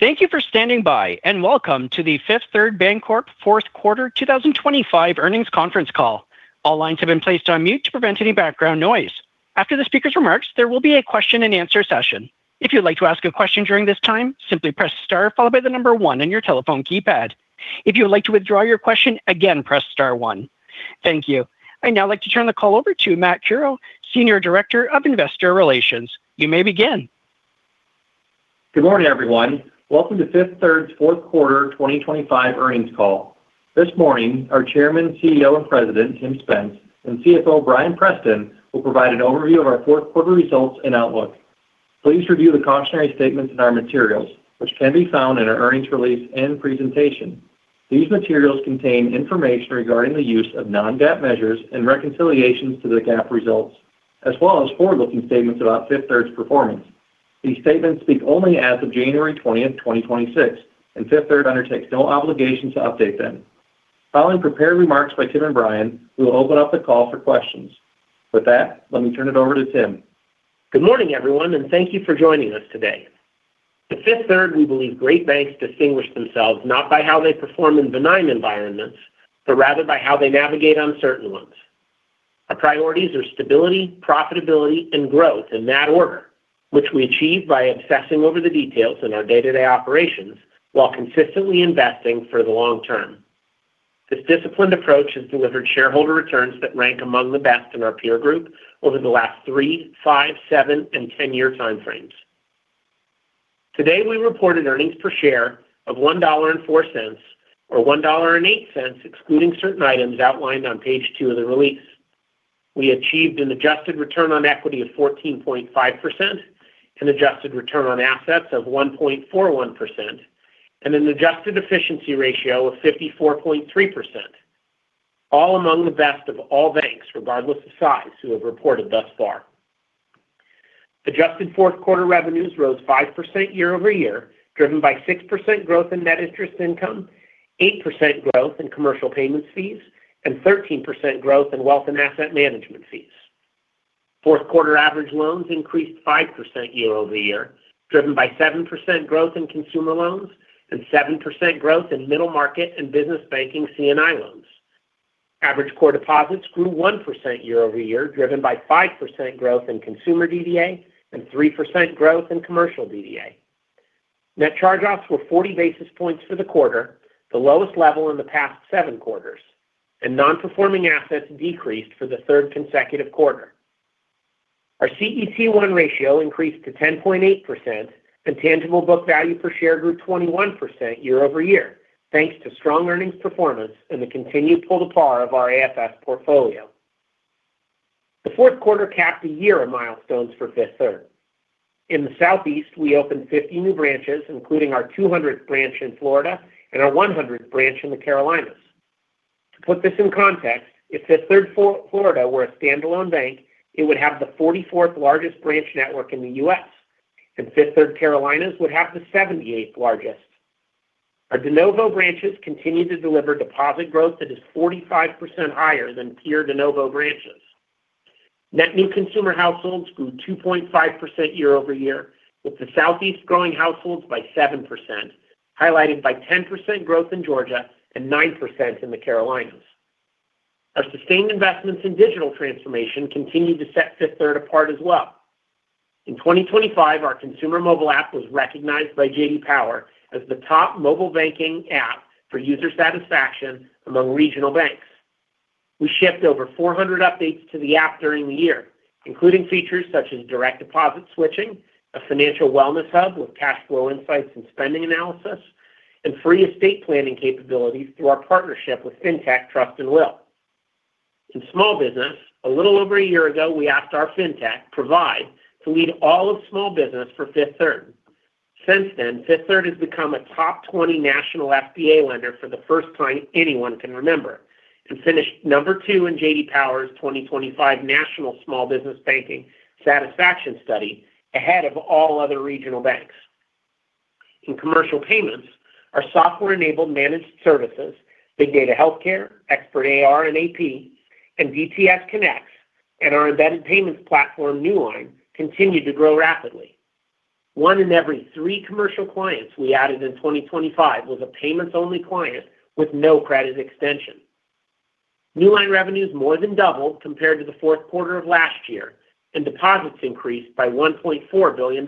Thank you for standing by, and welcome to the Fifth Third Bancorp Fourth Quarter 2025 earnings conference call. All lines have been placed on mute to prevent any background noise. After the speaker's remarks, there will be a question-and-answer session. If you'd like to ask a question during this time, simply press star followed by the number one on your telephone keypad. If you would like to withdraw your question, again, press star one. Thank you. I'd now like to turn the call over to Matt Curoe, Senior Director of Investor Relations. You may begin. Good morning, everyone. Welcome to Fifth Third's Fourth Quarter 2025 earnings call. This morning, our Chairman, CEO, and President, Tim Spence, and CFO, Bryan Preston, will provide an overview of our fourth quarter results and outlook. Please review the cautionary statements in our materials, which can be found in our earnings release and presentation. These materials contain information regarding the use of non-GAAP measures and reconciliations to the GAAP results, as well as forward-looking statements about Fifth Third's performance. These statements speak only as of January 20, 2026, and Fifth Third undertakes no obligations to update them. Following prepared remarks by Tim and Bryan, we will open up the call for questions. With that, let me turn it over to Tim. Good morning, everyone, and thank you for joining us today. At Fifth Third, we believe great banks distinguish themselves not by how they perform in benign environments, but rather by how they navigate uncertain ones. Our priorities are stability, profitability, and growth in that order, which we achieve by obsessing over the details in our day-to-day operations while consistently investing for the long term. This disciplined approach has delivered shareholder returns that rank among the best in our peer group over the last three, five, seven, and ten-year time frames. Today, we reported earnings per share of $1.04, or $1.08 excluding certain items outlined on page two of the release. We achieved an adjusted return on equity of 14.5%, an adjusted return on assets of 1.41%, and an adjusted efficiency ratio of 54.3%, all among the best of all banks, regardless of size, who have reported thus far. Adjusted fourth quarter revenues rose 5% year over year, driven by 6% growth in net interest income, 8% growth in commercial payments fees, and 13% growth in wealth and asset management fees. Fourth quarter average loans increased 5% year over year, driven by 7% growth in consumer loans and 7% growth in middle market and business banking C&I loans. Average core deposits grew 1% year over year, driven by 5% growth in consumer DDA and 3% growth in commercial DDA. Net charge-offs were 40 basis points for the quarter, the lowest level in the past seven quarters, and non-performing assets decreased for the third consecutive quarter. Our CET1 ratio increased to 10.8%, and tangible book value per share grew 21% year over year, thanks to strong earnings performance and the continued pull-to-par of our AFS portfolio. The fourth quarter capped the year of milestones for Fifth Third. In the Southeast, we opened 50 new branches, including our 200th branch in Florida and our 100th branch in the Carolinas. To put this in context, if Fifth Third Florida were a standalone bank, it would have the 44th largest branch network in the U.S., and Fifth Third Carolinas would have the 78th largest. de novo branches continue to deliver deposit growth that is 45% higher than peer de novo branches. Net new consumer households grew 2.5% year over year, with the Southeast growing households by 7%, highlighted by 10% growth in Georgia and 9% in the Carolinas. Our sustained investments in digital transformation continue to set Fifth Third apart as well. In 2025, our consumer mobile app was recognized by J.D. Power as the top mobile banking app for user satisfaction among regional banks. We shipped over 400 updates to the app during the year, including features such as direct deposit switching, a financial wellness hub with cash flow insights and spending analysis, and free estate planning capabilities through our partnership with Trust & Will. In small business, a little over a year ago, we asked our FinTech, Provide, to lead all of small business for Fifth Third. Since then, Fifth Third has become a top 20 national SBA lender for the first time anyone can remember, and finished number two in J.D. Power's 2025 National Small Business Banking Satisfaction Study ahead of all other regional banks. In commercial payments, our software-enabled managed services, Big Data Healthcare, Expert AR and AP, and DTS Connect, and our embedded payments platform, Newline, continue to grow rapidly. One in every three commercial clients we added in 2025 was a payments-only client with no credit extension. Newline revenues more than doubled compared to the fourth quarter of last year, and deposits increased by $1.4 billion.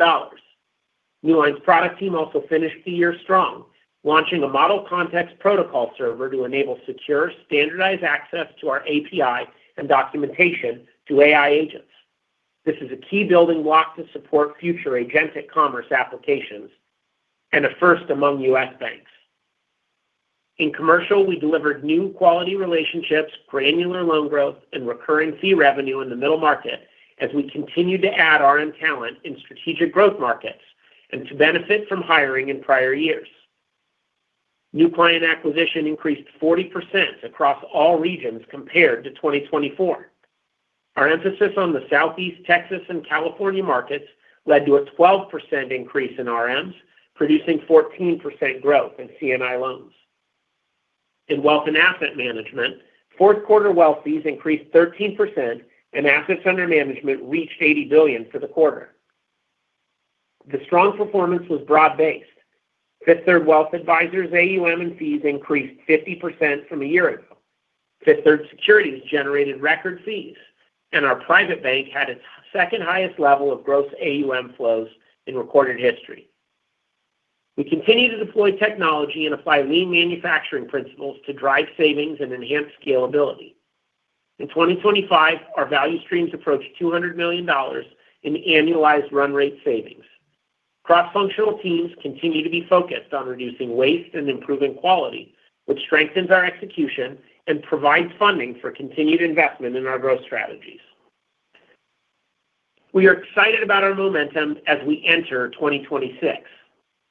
Newline's product team also finished the year strong, launching a Model Context Protocol server to enable secure, standardized access to our API and documentation to AI agents. This is a key building block to support future Agentic Commerce applications and a first among U.S. banks. In commercial, we delivered new quality relationships, granular loan growth, and recurring fee revenue in the middle market as we continued to add our end talent in strategic growth markets and to benefit from hiring in prior years. New client acquisition increased 40% across all regions compared to 2024. Our emphasis on the Southeast, Texas, and California markets led to a 12% increase in RMs, producing 14% growth in C&I loans. In wealth and asset management, fourth quarter wealth fees increased 13%, and assets under management reached $80 billion for the quarter. The strong performance was broad-based. Fifth Third Wealth Advisors' AUM and fees increased 50% from a year ago. Fifth Third Securities generated record fees, and our private bank had its second highest level of gross AUM flows in recorded history. We continue to deploy technology and apply lean manufacturing principles to drive savings and enhance scalability. In 2025, our value streams approach $200 million in annualized run rate savings. Cross-functional teams continue to be focused on reducing waste and improving quality, which strengthens our execution and provides funding for continued investment in our growth strategies. We are excited about our momentum as we enter 2026,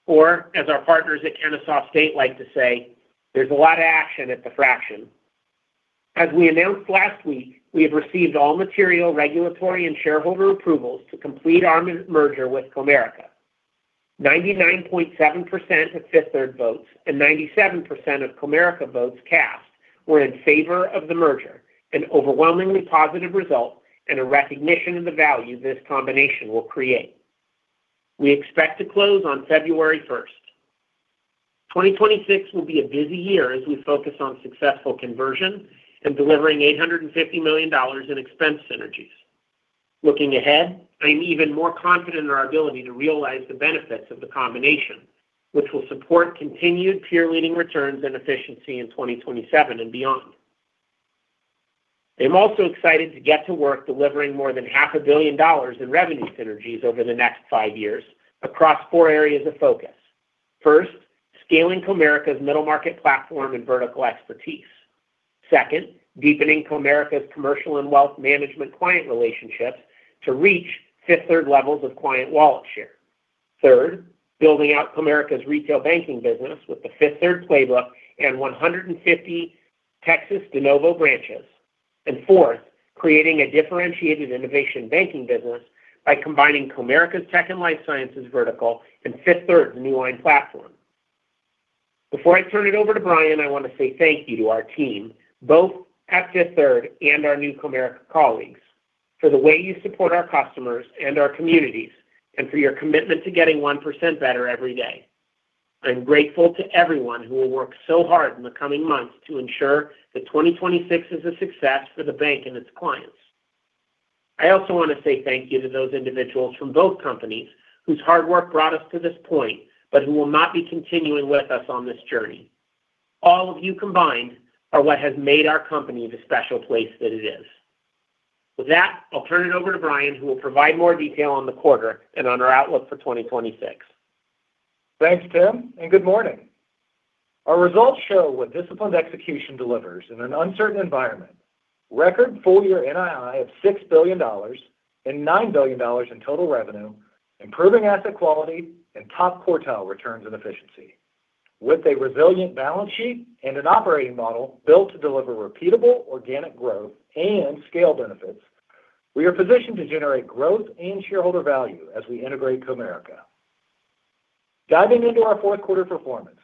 or as our partners at Kennesaw State like to say, "There's a lot of action at the fraction." As we announced last week, we have received all material regulatory and shareholder approvals to complete our merger with Comerica. 99.7% of Fifth Third votes and 97% of Comerica votes cast were in favor of the merger, an overwhelmingly positive result and a recognition of the value this combination will create. We expect to close on February 1st. 2026 will be a busy year as we focus on successful conversion and delivering $850 million in expense synergies. Looking ahead, I am even more confident in our ability to realize the benefits of the combination, which will support continued peer-leading returns and efficiency in 2027 and beyond. I am also excited to get to work delivering more than $500 million in revenue synergies over the next five years across four areas of focus. First, scaling Comerica's middle market platform and vertical expertise. Second, deepening Comerica's commercial and wealth management client relationships to reach Fifth Third levels of client wallet share. Third, building out Comerica's retail banking business with the Fifth Third Playbook and 150 Texas de novo branches. And fourth, creating a differentiated innovation banking business by combining Comerica's tech and life sciences vertical and Fifth Third's Newline platform. Before I turn it over to Bryan, I want to say thank you to our team, both at Fifth Third and our new Comerica colleagues, for the way you support our customers and our communities, and for your commitment to getting 1% better every day. I'm grateful to everyone who will work so hard in the coming months to ensure that 2026 is a success for the bank and its clients. I also want to say thank you to those individuals from both companies whose hard work brought us to this point, but who will not be continuing with us on this journey. All of you combined are what has made our company the special place that it is. With that, I'll turn it over to Bryan, who will provide more detail on the quarter and on our outlook for 2026. Thanks, Tim, and good morning. Our results show what disciplined execution delivers in an uncertain environment: record full-year NII of $6 billion and $9 billion in total revenue, improving asset quality, and top quartile returns and efficiency. With a resilient balance sheet and an operating model built to deliver repeatable organic growth and scale benefits, we are positioned to generate growth and shareholder value as we integrate Comerica. Diving into our fourth quarter performance,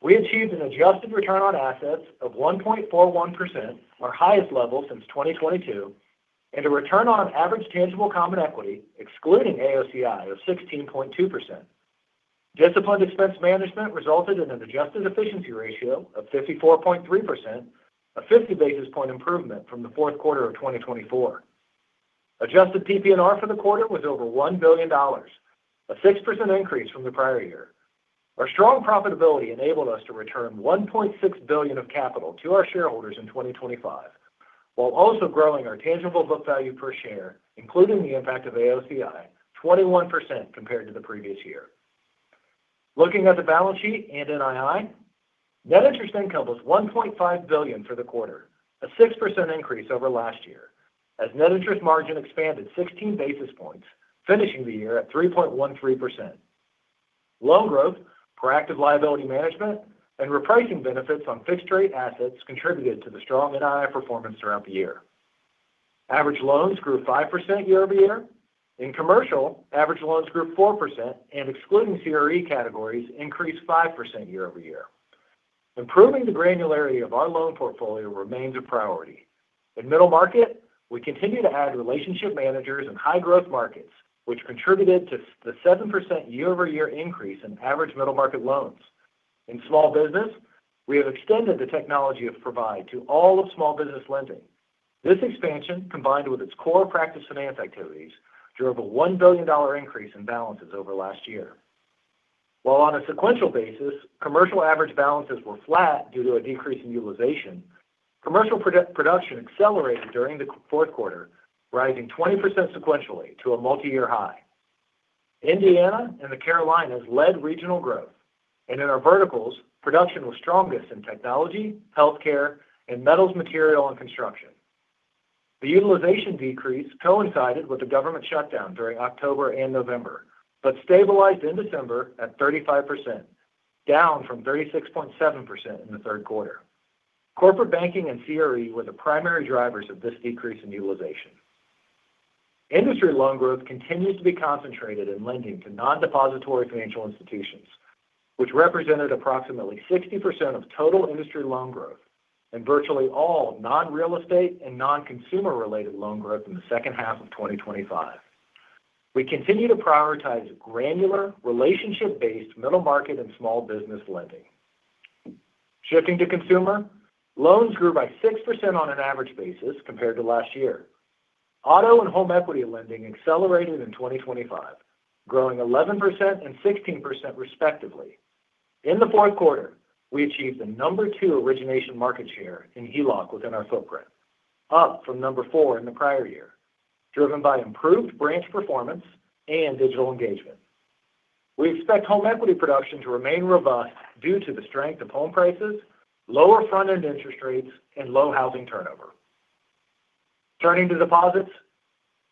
we achieved an adjusted return on assets of 1.41%, our highest level since 2022, and a return on average tangible common equity, excluding AOCI, of 16.2%. Disciplined expense management resulted in an adjusted efficiency ratio of 54.3%, a 50 basis point improvement from the fourth quarter of 2024. Adjusted PPNR for the quarter was over $1 billion, a 6% increase from the prior year. Our strong profitability enabled us to return $1.6 billion of capital to our shareholders in 2025, while also growing our tangible book value per share, including the impact of AOCI, 21% compared to the previous year. Looking at the balance sheet and NII, net interest income was $1.5 billion for the quarter, a 6% increase over last year, as net interest margin expanded 16 basis points, finishing the year at 3.13%. Loan growth, proactive liability management, and repricing benefits on fixed-rate assets contributed to the strong NII performance throughout the year. Average loans grew 5% year over year. In commercial, average loans grew 4%, and excluding CRE categories, increased 5% year over year. Improving the granularity of our loan portfolio remains a priority. In middle market, we continue to add relationship managers in high-growth markets, which contributed to the 7% year-over-year increase in average middle market loans. In small business, we have extended the technology of Provide to all of small business lending. This expansion, combined with its core practice finance activities, drove a $1 billion increase in balances over last year. While on a sequential basis, commercial average balances were flat due to a decrease in utilization, commercial production accelerated during the fourth quarter, rising 20% sequentially to a multi-year high. Indiana and the Carolinas led regional growth, and in our verticals, production was strongest in technology, healthcare, and metals, material, and construction. The utilization decrease coincided with the government shutdown during October and November, but stabilized in December at 35%, down from 36.7% in the third quarter. Corporate banking and CRE were the primary drivers of this decrease in utilization. Industry loan growth continues to be concentrated in lending to non-depository financial institutions, which represented approximately 60% of total industry loan growth and virtually all non-real estate and non-consumer-related loan growth in the second half of 2025. We continue to prioritize granular, relationship-based middle market and small business lending. Shifting to consumer, loans grew by 6% on an average basis compared to last year. Auto and home equity lending accelerated in 2025, growing 11% and 16% respectively. In the fourth quarter, we achieved the number two origination market share in HELOC within our footprint, up from number four in the prior year, driven by improved branch performance and digital engagement. We expect home equity production to remain robust due to the strength of home prices, lower front-end interest rates, and low housing turnover. Turning to deposits,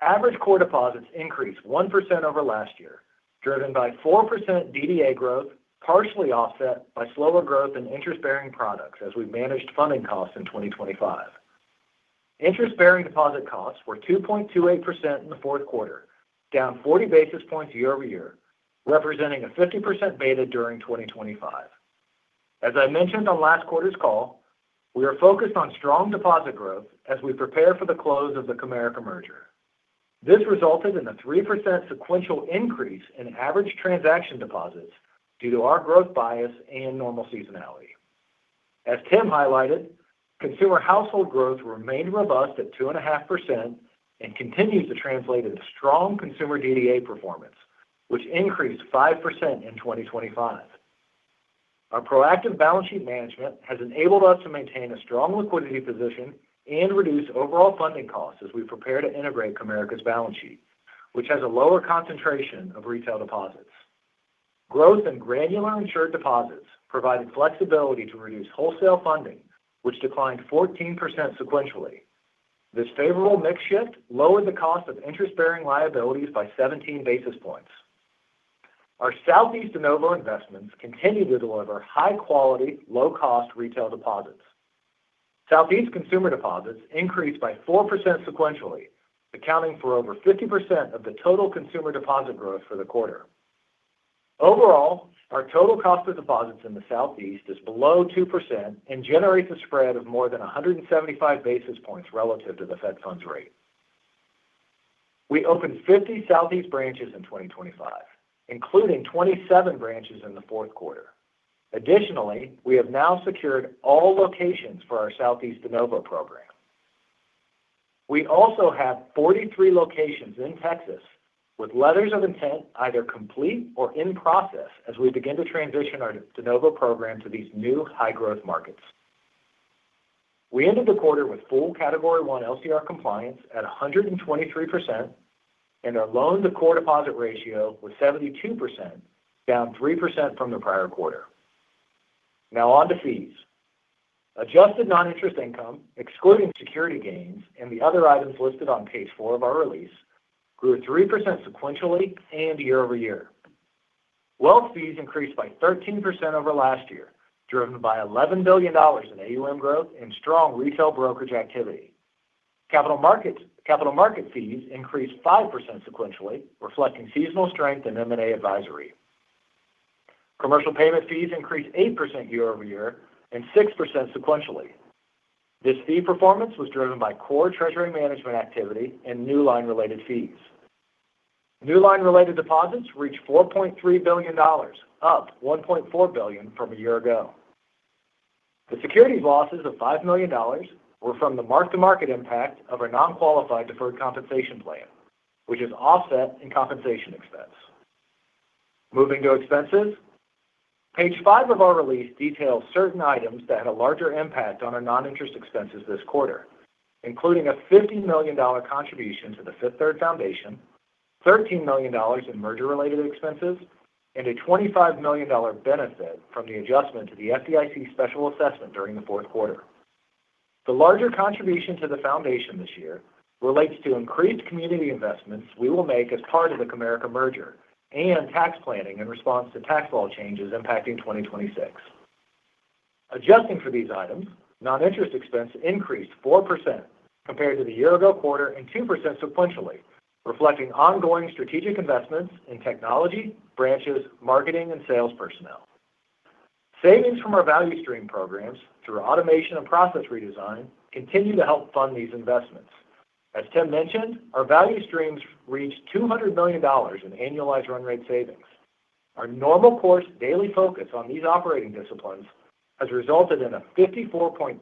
average core deposits increased 1% over last year, driven by 4% DDA growth, partially offset by slower growth in interest-bearing products as we managed funding costs in 2025. Interest-bearing deposit costs were 2.28% in the fourth quarter, down 40 basis points year-over-year, representing a 50% beta during 2025. As I mentioned on last quarter's call, we are focused on strong deposit growth as we prepare for the close of the Comerica merger. This resulted in a 3% sequential increase in average transaction deposits due to our growth bias and normal seasonality. As Tim highlighted, consumer household growth remained robust at 2.5% and continues to translate into strong consumer DDA performance, which increased 5% in 2025. Our proactive balance sheet management has enabled us to maintain a strong liquidity position and reduce overall funding costs as we prepare to integrate Comerica's balance sheet, which has a lower concentration of retail deposits. Growth in granular insured deposits provided flexibility to reduce wholesale funding, which declined 14% sequentially. This favorable mix shift lowered the cost of interest-bearing liabilities by 17 basis points. Our Southeast de novo investments continue to deliver high-quality, low-cost retail deposits. Southeast consumer deposits increased by 4% sequentially, accounting for over 50% of the total consumer deposit growth for the quarter. Overall, our total cost of deposits in the Southeast is below 2% and generates a spread of more than 175 basis points relative to the Fed Funds rate. We opened 50 Southeast branches in 2025, including 27 branches in the fourth quarter. Additionally, we have now secured all locations for our Southeast de novo program. We also have 43 locations in Texas with letters of intent either complete or in process as we begin to transition our de novo program to these new high-growth markets. We ended the quarter with full Category 1 LCR compliance at 123%, and our loan-to-core deposit ratio was 72%, down 3% from the prior quarter. Now on to fees. Adjusted non-interest income, excluding security gains and the other items listed on page four of our release, grew 3% sequentially and year-over-year. Wealth fees increased by 13% over last year, driven by $11 billion in AUM growth and strong retail brokerage activity. Capital market fees increased 5% sequentially, reflecting seasonal strength in M&A advisory. Commercial payment fees increased 8% year-over-year and 6% sequentially. This fee performance was driven by core treasury management activity and Newline-related fees. Newline-related deposits reached $4.3 billion, up $1.4 billion from a year ago. The securities losses of $5 million were from the mark-to-market impact of our non-qualified deferred compensation plan, which is offset in compensation expense. Moving to expenses, page five of our release details certain items that had a larger impact on our non-interest expenses this quarter, including a $50 million contribution to the Fifth Third Foundation, $13 million in merger-related expenses, and a $25 million benefit from the adjustment to the FDIC special assessment during the fourth quarter. The larger contribution to the foundation this year relates to increased community investments we will make as part of the Comerica merger and tax planning in response to tax law changes impacting 2026. Adjusting for these items, non-interest expense increased 4% compared to the year-ago quarter and 2% sequentially, reflecting ongoing strategic investments in technology, branches, marketing, and sales personnel. Savings from our value stream programs through automation and process redesign continue to help fund these investments. As Tim mentioned, our value streams reached $200 million in annualized run rate savings. Our normal course daily focus on these operating disciplines has resulted in a 54.3%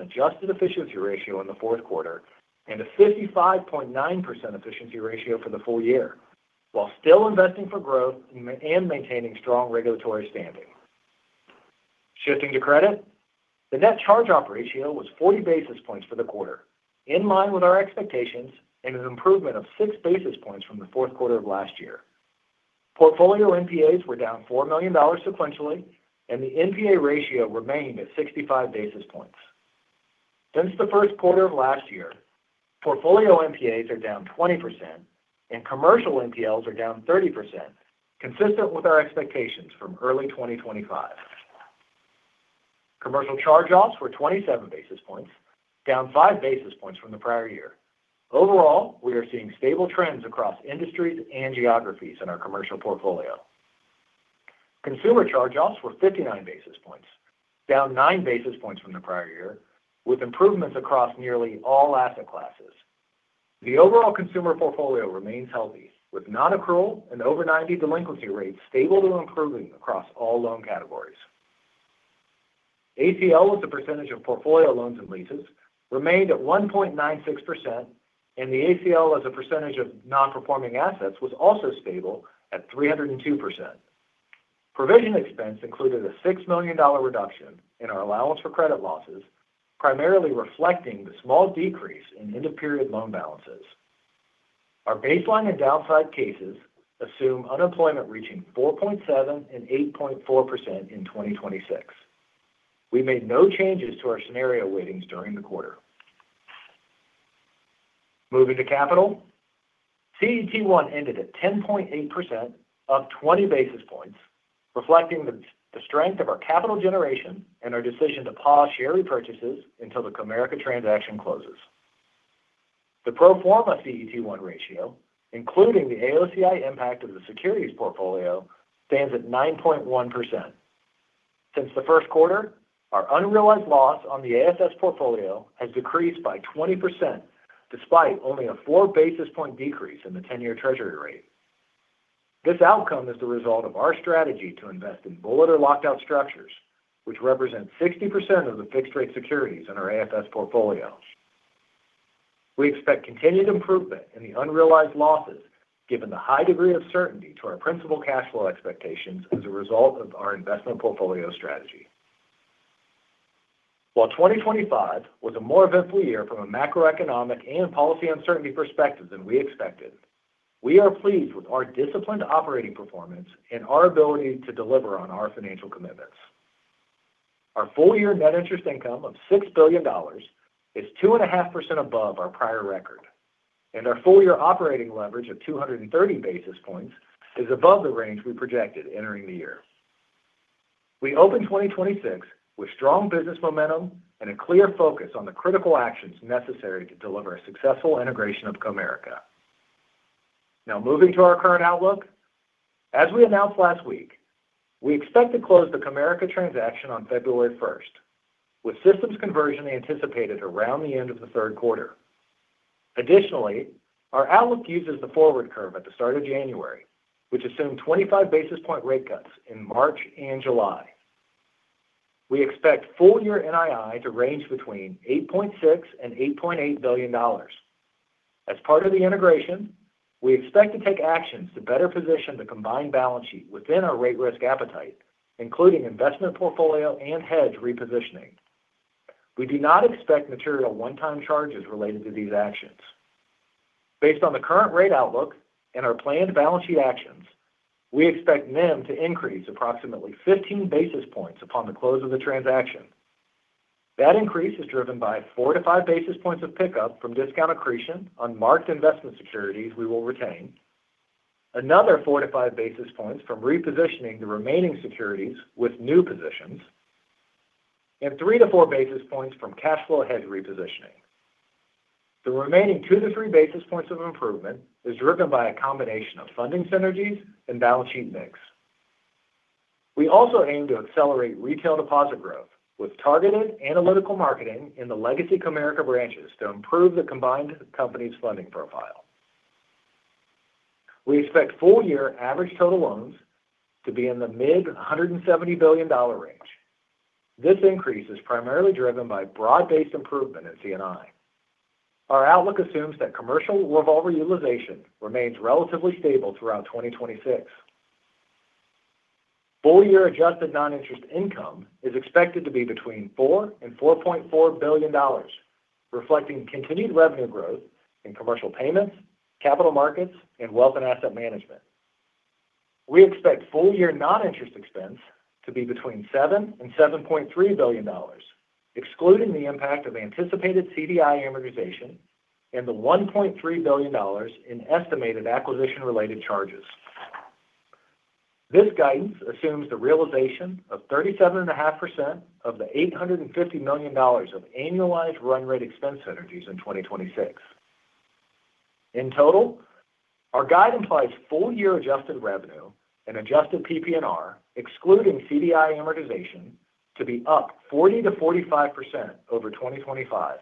adjusted efficiency ratio in the fourth quarter and a 55.9% efficiency ratio for the full year, while still investing for growth and maintaining strong regulatory standing. Shifting to credit, the net charge-off ratio was 40 basis points for the quarter, in line with our expectations and an improvement of 6 basis points from the fourth quarter of last year. Portfolio NPAs were down $4 million sequentially, and the NPA ratio remained at 65 basis points. Since the first quarter of last year, portfolio NPAs are down 20%, and commercial NPLs are down 30%, consistent with our expectations from early 2025. Commercial charge-offs were 27 basis points, down 5 basis points from the prior year. Overall, we are seeing stable trends across industries and geographies in our commercial portfolio. Consumer charge-offs were 59 basis points, down 9 basis points from the prior year, with improvements across nearly all asset classes. The overall consumer portfolio remains healthy, with non-accrual and over-90 delinquency rates stable to improving across all loan categories. ACL, as a percentage of portfolio loans and leases, remained at 1.96%, and the ACL, as a percentage of non-performing assets, was also stable at 302%. Provision expense included a $6 million reduction in our allowance for credit losses, primarily reflecting the small decrease in end-of-period loan balances. Our baseline and downside cases assume unemployment reaching 4.7% and 8.4% in 2026. We made no changes to our scenario weightings during the quarter. Moving to capital, CET1 ended at 10.8%, up 20 basis points, reflecting the strength of our capital generation and our decision to pause share repurchases until the Comerica transaction closes. The pro forma CET1 ratio, including the AOCI impact of the securities portfolio, stands at 9.1%. Since the first quarter, our unrealized loss on the AFS portfolio has decreased by 20%, despite only a 4 basis point decrease in the 10-year Treasury rate. This outcome is the result of our strategy to invest in bullet or locked-out structures, which represent 60% of the fixed-rate securities in our AFS portfolio. We expect continued improvement in the unrealized losses, given the high degree of certainty to our principal cash flow expectations as a result of our investment portfolio strategy. While 2025 was a more eventful year from a macroeconomic and policy uncertainty perspective than we expected, we are pleased with our disciplined operating performance and our ability to deliver on our financial commitments. Our full-year net interest income of $6 billion is 2.5% above our prior record, and our full-year operating leverage of 230 basis points is above the range we projected entering the year. We opened 2026 with strong business momentum and a clear focus on the critical actions necessary to deliver a successful integration of Comerica. Now moving to our current outlook, as we announced last week, we expect to close the Comerica transaction on February 1st, with systems conversion anticipated around the end of the third quarter. Additionally, our outlook uses the forward curve at the start of January, which assumed 25 basis-point rate cuts in March and July. We expect full-year NII to range between $8.6 and $8.8 billion. As part of the integration, we expect to take actions to better position the combined balance sheet within our rate risk appetite, including investment portfolio and hedge repositioning. We do not expect material one-time charges related to these actions. Based on the current rate outlook and our planned balance sheet actions, we expect NIM to increase approximately 15 basis points upon the close of the transaction. That increase is driven by 4 to 5 basis points of pickup from discount accretion on marked investment securities we will retain, another 4 to 5 basis points from repositioning the remaining securities with new positions, and 3 to 4 basis points from cash flow hedge repositioning. The remaining 2 to 3 basis points of improvement is driven by a combination of funding synergies and balance sheet mix. We also aim to accelerate retail deposit growth with targeted analytical marketing in the legacy Comerica branches to improve the combined company's funding profile. We expect full-year average total loans to be in the mid-$170 billion range. This increase is primarily driven by broad-based improvement in C&I. Our outlook assumes that commercial revolver utilization remains relatively stable throughout 2026. Full-year adjusted non-interest income is expected to be between $4 and $4.4 billion, reflecting continued revenue growth in commercial payments, capital markets, and wealth and asset management. We expect full-year non-interest expense to be between $7 and $7.3 billion, excluding the impact of anticipated CDI amortization and the $1.3 billion in estimated acquisition-related charges. This guidance assumes the realization of 37.5% of the $850 million of annualized run rate expense synergies in 2026. In total, our guide implies full-year adjusted revenue and adjusted PP&R, excluding CDI amortization, to be up 40%-45% over 2025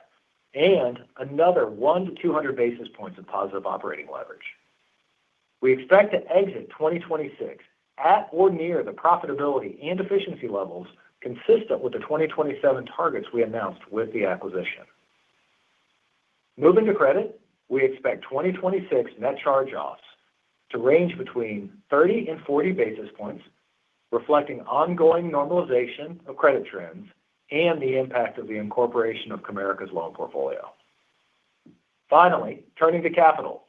and another 1-200 basis points of positive operating leverage. We expect to exit 2026 at or near the profitability and efficiency levels consistent with the 2027 targets we announced with the acquisition. Moving to credit, we expect 2026 net charge-offs to range between 30 and 40 basis points, reflecting ongoing normalization of credit trends and the impact of the incorporation of Comerica's loan portfolio. Finally, turning to capital,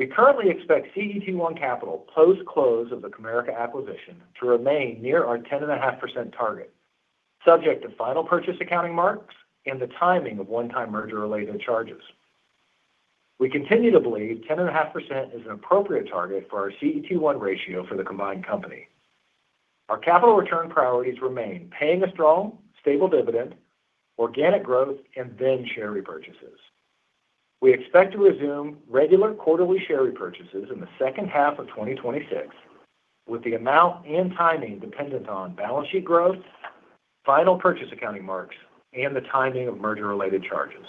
we currently expect CET1 capital post-close of the Comerica acquisition to remain near our 10.5% target, subject to final purchase accounting marks and the timing of one-time merger-related charges. We continue to believe 10.5% is an appropriate target for our CET1 ratio for the combined company. Our capital return priorities remain paying a strong, stable dividend, organic growth, and then share repurchases. We expect to resume regular quarterly share repurchases in the second half of 2026, with the amount and timing dependent on balance sheet growth, final purchase accounting marks, and the timing of merger-related charges.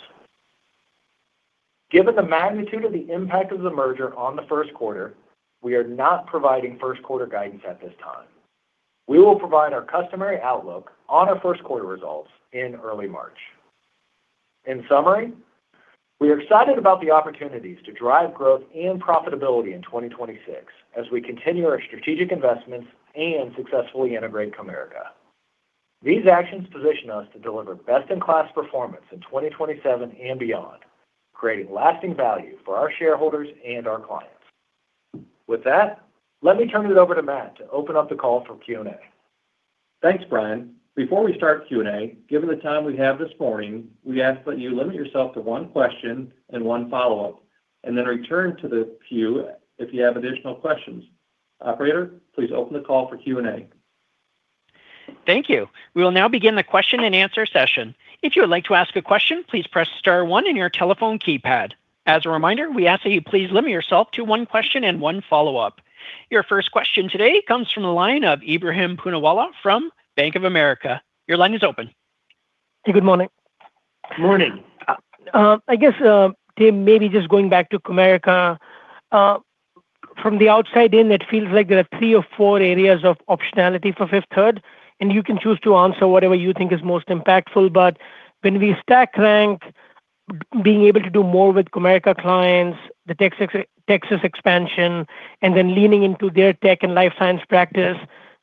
Given the magnitude of the impact of the merger on the first quarter, we are not providing first-quarter guidance at this time. We will provide our customary outlook on our first-quarter results in early March. In summary, we are excited about the opportunities to drive growth and profitability in 2026 as we continue our strategic investments and successfully integrate Comerica. These actions position us to deliver best-in-class performance in 2027 and beyond, creating lasting value for our shareholders and our clients. With that, let me turn it over to Matt to open up the call for Q&A. Thanks, Bryan. Before we start Q&A, given the time we have this morning, we ask that you limit yourself to one question and one follow-up, and then return to the queue if you have additional questions. Operator, please open the call for Q&A. Thank you. We will now begin the question-and-answer session. If you would like to ask a question, please press star 1 in your telephone keypad. As a reminder, we ask that you please limit yourself to one question and one follow-up. Your first question today comes from the line of Ebrahim Poonawala from Bank of America. Your line is open. Hey, good morning. Good morning. I guess, Tim, maybe just going back to Comerica, from the outside in, it feels like there are three or four areas of optionality for Fifth Third, and you can choose to answer whatever you think is most impactful. But when we stack rank, being able to do more with Comerica clients, the Texas expansion, and then leaning into their tech and life science practice,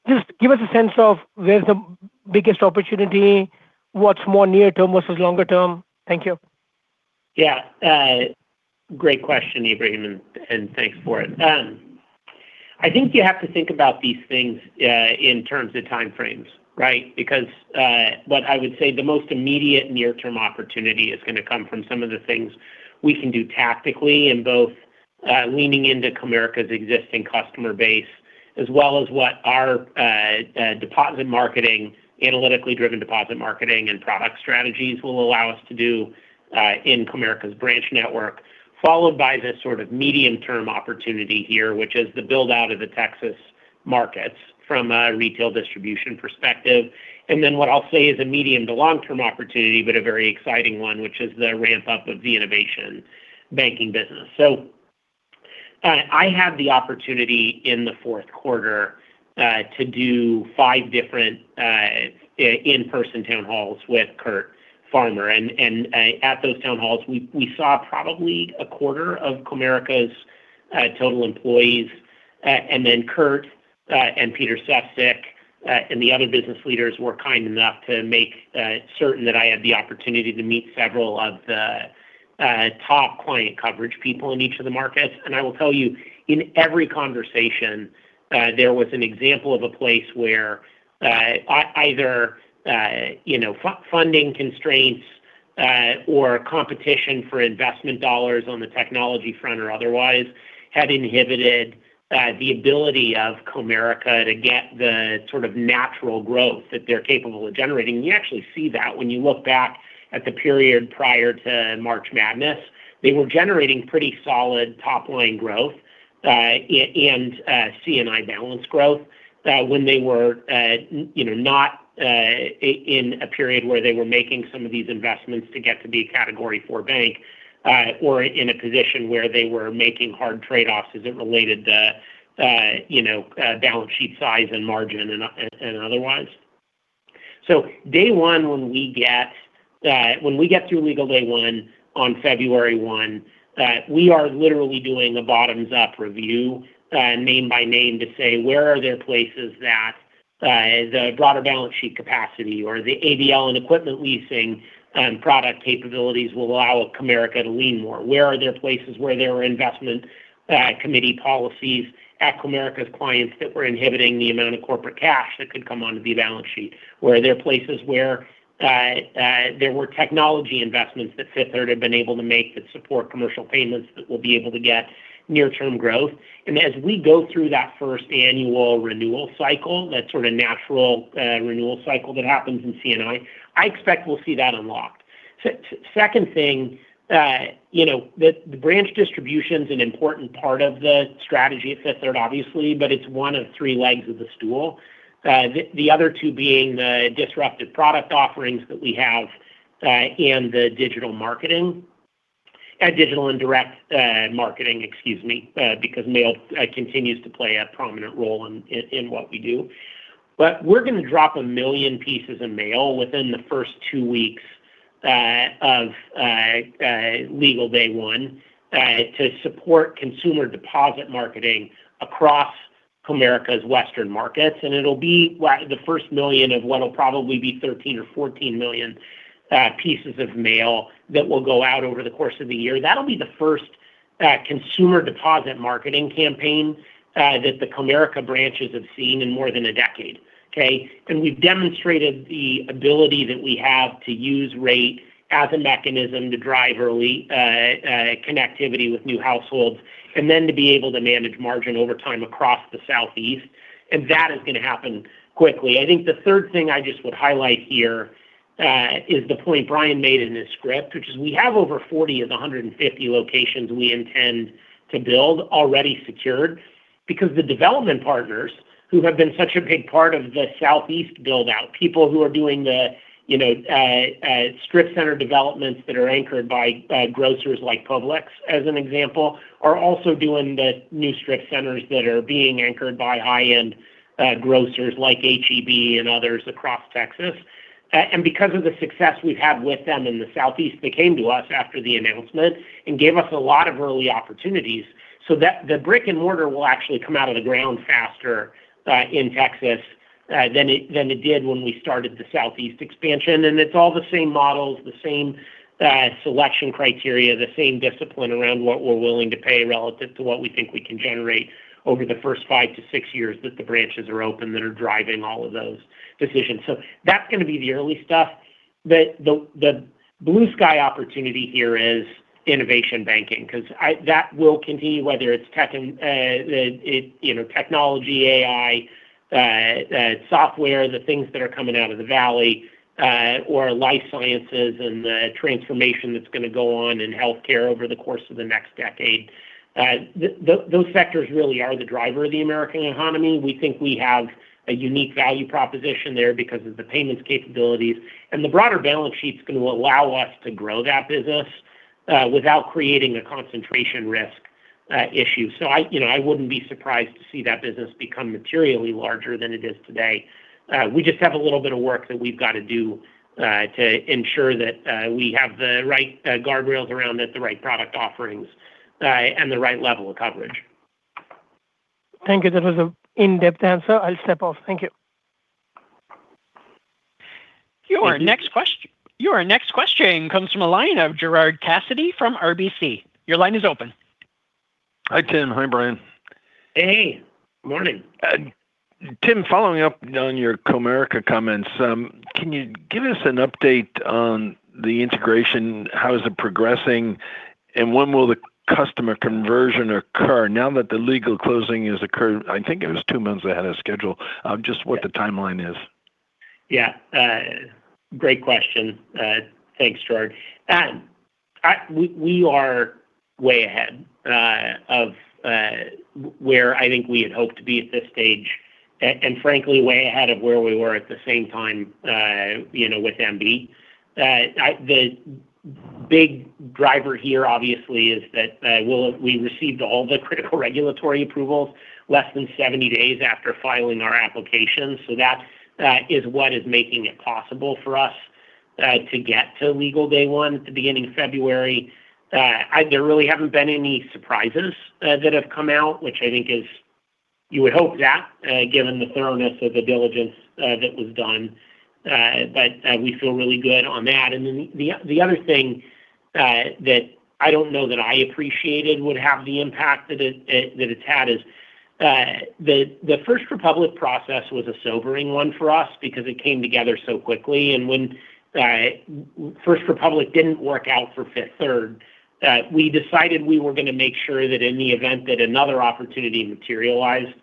just give us a sense of where's the biggest opportunity, what's more near-term versus longer-term. Thank you. Yeah, great question, Ebrahim, and thanks for it. I think you have to think about these things in terms of time frames, right? Because what I would say the most immediate near-term opportunity is going to come from some of the things we can do tactically in both leaning into Comerica's existing customer base, as well as what our analytically-driven deposit marketing and product strategies will allow us to do in Comerica's branch network, followed by this sort of medium-term opportunity here, which is the build-out of the Texas markets from a retail distribution perspective. And then what I'll say is a medium to long-term opportunity, but a very exciting one, which is the ramp-up of the innovation banking business. So I had the opportunity in the fourth quarter to do five different in-person town halls with Curt Farmer. And at those town halls, we saw probably a quarter of Comerica's total employees. And then Curt and Peter Sefzik and the other business leaders were kind enough to make certain that I had the opportunity to meet several of the top client coverage people in each of the markets. And I will tell you, in every conversation, there was an example of a place where either funding constraints or competition for investment dollars on the technology front or otherwise had inhibited the ability of Comerica to get the sort of natural growth that they're capable of generating. And you actually see that when you look back at the period prior to March Madness. They were generating pretty solid top-line growth and C&I balance growth when they were not in a period where they were making some of these investments to get to be a category 4 bank or in a position where they were making hard trade-offs as it related to balance sheet size and margin and otherwise. So day one, when we get through legal day one on February 1, we are literally doing a bottoms-up review name by name to say, where are there places that the broader balance sheet capacity or the ABL and equipment leasing product capabilities will allow Comerica to lean more? Where are there places where there are investment committee policies at Comerica's clients that were inhibiting the amount of corporate cash that could come onto the balance sheet? Where are there places where there were technology investments that Fifth Third had been able to make that support commercial payments that will be able to get near-term growth? As we go through that first annual renewal cycle, that sort of natural renewal cycle that happens in C&I, I expect we'll see that unlocked. Second thing, the branch distribution is an important part of the strategy at Fifth Third, obviously, but it's one of three legs of the stool. The other two being the disruptive product offerings that we have and the digital marketing and digital indirect marketing, excuse me, because mail continues to play a prominent role in what we do. But we're going to drop a million pieces of mail within the first two weeks of legal day one to support consumer deposit marketing across Comerica's western markets. It'll be the first million of what'll probably be 13 or 14 million pieces of mail that will go out over the course of the year. That'll be the first consumer deposit marketing campaign that the Comerica branches have seen in more than a decade, okay? We've demonstrated the ability that we have to use rate as a mechanism to drive early connectivity with new households and then to be able to manage margin over time across the Southeast. That is going to happen quickly. I think the third thing I just would highlight here is the point Bryan made in his script, which is we have over 40 of the 150 locations we intend to build already secured because the development partners who have been such a big part of the Southeast build-out, people who are doing the strip center developments that are anchored by grocers like Publix, as an example, are also doing the new strip centers that are being anchored by high-end grocers like H-E-B and others across Texas, and because of the success we've had with them in the Southeast, they came to us after the announcement and gave us a lot of early opportunities, so the brick and mortar will actually come out of the ground faster in Texas than it did when we started the Southeast expansion. And it's all the same models, the same selection criteria, the same discipline around what we're willing to pay relative to what we think we can generate over the first five to six years that the branches are open that are driving all of those decisions. So that's going to be the early stuff. The blue sky opportunity here is innovation banking because that will continue, whether it's technology, AI, software, the things that are coming out of the valley, or life sciences and the transformation that's going to go on in healthcare over the course of the next decade. Those sectors really are the driver of the American economy. We think we have a unique value proposition there because of the payments capabilities. And the broader balance sheet's going to allow us to grow that business without creating a concentration risk issue. So I wouldn't be surprised to see that business become materially larger than it is today. We just have a little bit of work that we've got to do to ensure that we have the right guardrails around the right product offerings and the right level of coverage. Thank you. That was an in-depth answer. I'll step off. Thank you. Your next question comes from a line of Gerard Cassidy from RBC. Your line is open. Hi, Tim. Hi, Bryan. Hey. Morning. Tim, following up on your Comerica comments, can you give us an update on the integration? How is it progressing? And when will the customer conversion occur? Now that the legal closing has occurred, I think it was two months ahead of schedule. Just what the timeline is? Yeah. Great question. Thanks, Gerard. We are way ahead of where I think we had hoped to be at this stage and, frankly, way ahead of where we were at the same time with MB. The big driver here, obviously, is that we received all the critical regulatory approvals less than 70 days after filing our application. So that is what is making it possible for us to get to legal day one at the beginning of February. There really haven't been any surprises that have come out, which I think is you would hope that given the thoroughness of the diligence that was done. But we feel really good on that. And then the other thing that I don't know that I appreciated would have the impact that it's had is the First Republic process was a sobering one for us because it came together so quickly. And when First Republic didn't work out for Fifth Third, we decided we were going to make sure that in the event that another opportunity materialized,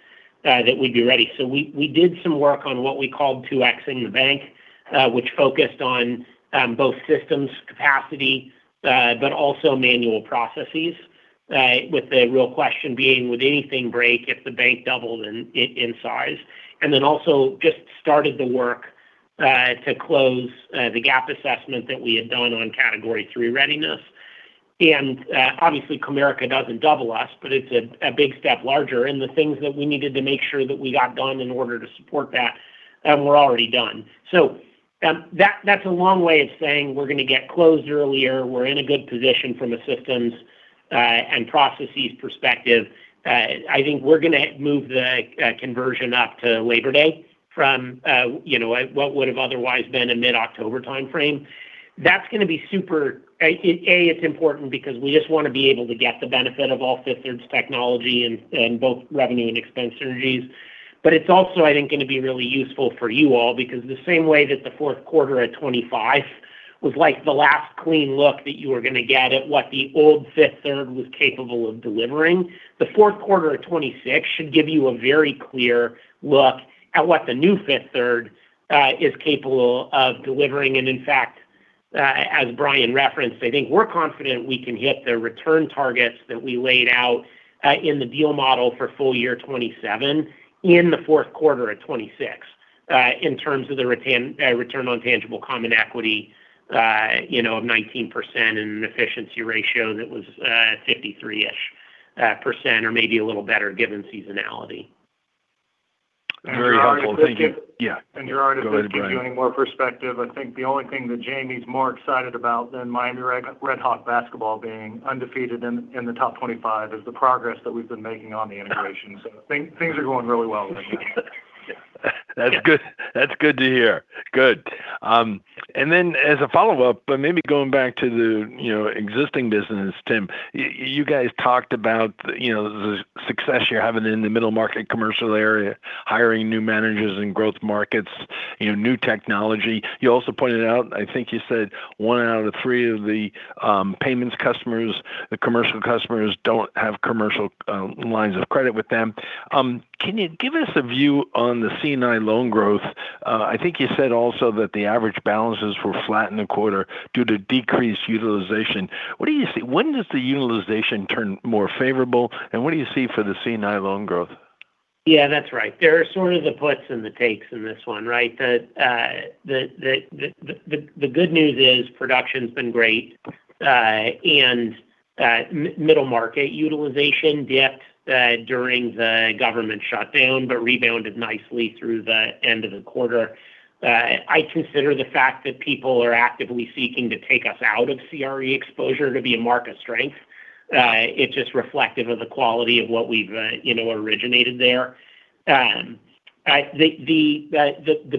that we'd be ready. So we did some work on what we called 2Xing the bank, which focused on both systems capacity but also manual processes, with the real question being, would anything break if the bank doubled in size? And then also just started the work to close the gap assessment that we had done on category 3 readiness. And obviously, Comerica doesn't double us, but it's a big step larger. And the things that we needed to make sure that we got done in order to support that, we're already done. So that's a long way of saying we're going to get closed earlier. We're in a good position from a systems and processes perspective. I think we're going to move the conversion up to Labor Day from what would have otherwise been a mid-October time frame. That's going to be super important because we just want to be able to get the benefit of all Fifth Third's technology and both revenue and expense synergies. But it's also, I think, going to be really useful for you all because the same way that the fourth quarter of 2025 was like the last clean look that you were going to get at what the old Fifth Third was capable of delivering, the fourth quarter of 2026 should give you a very clear look at what the new Fifth Third is capable of delivering. In fact, as Bryan referenced, I think we're confident we can hit the return targets that we laid out in the deal model for full year 27 in the fourth quarter at 26 in terms of the return on tangible common equity of 19% and an efficiency ratio that was 53-ish% or maybe a little better given seasonality. Very helpful. Thank you. Yeah. Gerard is going to give you any more perspective. I think the only thing that Jamie's more excited about than Miami Redhawks basketball being undefeated in the top 25 is the progress that we've been making on the integration. So things are going really well right now. That's good to hear. Good. And then as a follow-up, but maybe going back to the existing business, Tim, you guys talked about the success you're having in the middle market commercial area, hiring new managers in growth markets, new technology. You also pointed out, I think you said one out of three of the payments customers, the commercial customers, don't have commercial lines of credit with them. Can you give us a view on the C&I loan growth? I think you said also that the average balances were flat in the quarter due to decreased utilization. What do you see? When does the utilization turn more favorable? And what do you see for the C&I loan growth? Yeah, that's right. There are sort of the puts and the takes in this one, right? The good news is production's been great and middle market utilization dipped during the government shutdown but rebounded nicely through the end of the quarter. I consider the fact that people are actively seeking to take us out of CRE exposure to be a market strength. It's just reflective of the quality of what we've originated there. The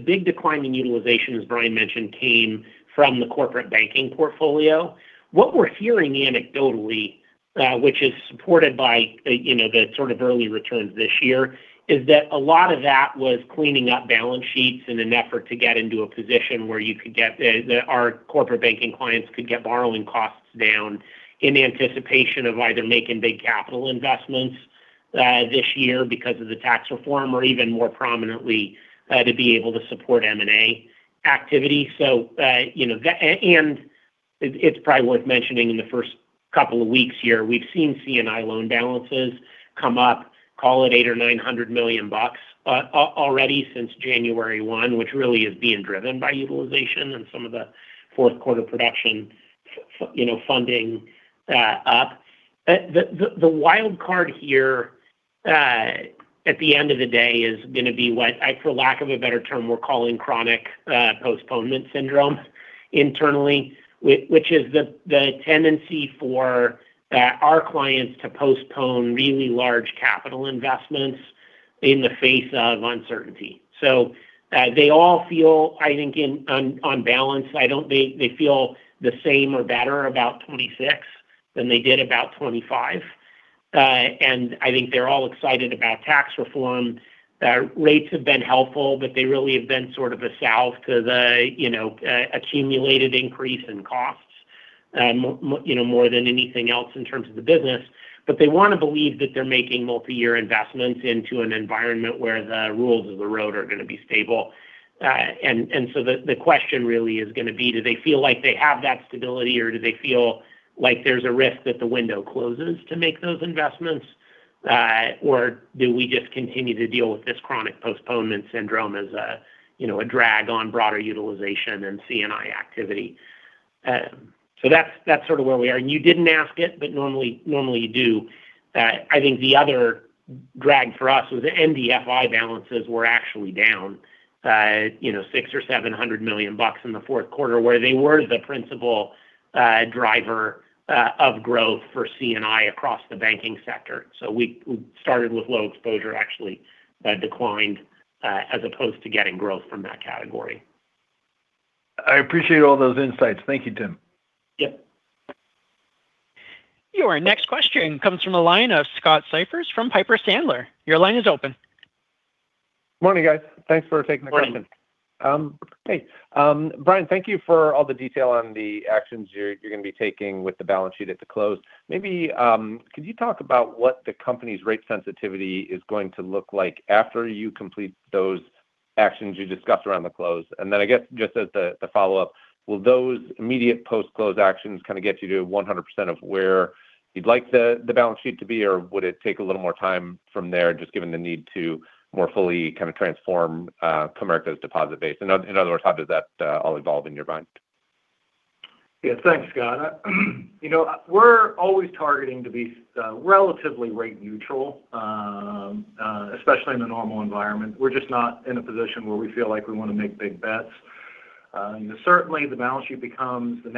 big decline in utilization, as Bryan mentioned, came from the corporate banking portfolio. What we're hearing anecdotally, which is supported by the sort of early returns this year, is that a lot of that was cleaning up balance sheets in an effort to get into a position where our corporate banking clients could get borrowing costs down in anticipation of either making big capital investments this year because of the tax reform or even more prominently to be able to support M&A activity. It's probably worth mentioning in the first couple of weeks here, we've seen C&I loan balances come up, call it $800 million-$900 million already since January 1, which really is being driven by utilization and some of the fourth quarter production funding up. The wild card here at the end of the day is going to be what, for lack of a better term, we're calling chronic postponement syndrome internally, which is the tendency for our clients to postpone really large capital investments in the face of uncertainty. They all feel, I think, on balance, they feel the same or better about 2026 than they did about 2025. I think they're all excited about tax reform. Rates have been helpful, but they really have been sort of a salve to the accumulated increase in costs more than anything else in terms of the business. But they want to believe that they're making multi-year investments into an environment where the rules of the road are going to be stable. And so the question really is going to be, do they feel like they have that stability, or do they feel like there's a risk that the window closes to make those investments, or do we just continue to deal with this chronic postponement syndrome as a drag on broader utilization and CNI activity? So that's sort of where we are. And you didn't ask it, but normally you do. I think the other drag for us was the NDFI balances were actually down $600 million or $700 million in the fourth quarter, where they were the principal driver of growth for CNI across the banking sector. So we started with low exposure, actually declined as opposed to getting growth from that category. I appreciate all those insights. Thank you, Tim. Yep. Your next question comes from a line of Scott Siefers from Piper Sandler. Your line is open. Morning, guys. Thanks for taking the question. Hey. Bryan, thank you for all the detail on the actions you're going to be taking with the balance sheet at the close. Maybe could you talk about what the company's rate sensitivity is going to look like after you complete those actions you discussed around the close? And then I guess just as the follow-up, will those immediate post-close actions kind of get you to 100% of where you'd like the balance sheet to be, or would it take a little more time from there, just given the need to more fully kind of transform Comerica's deposit base? In other words, how does that all evolve in your mind? Yeah. Thanks, Scott. We're always targeting to be relatively rate neutral, especially in the normal environment. We're just not in a position where we feel like we want to make big bets. Certainly, the balance sheet becomes a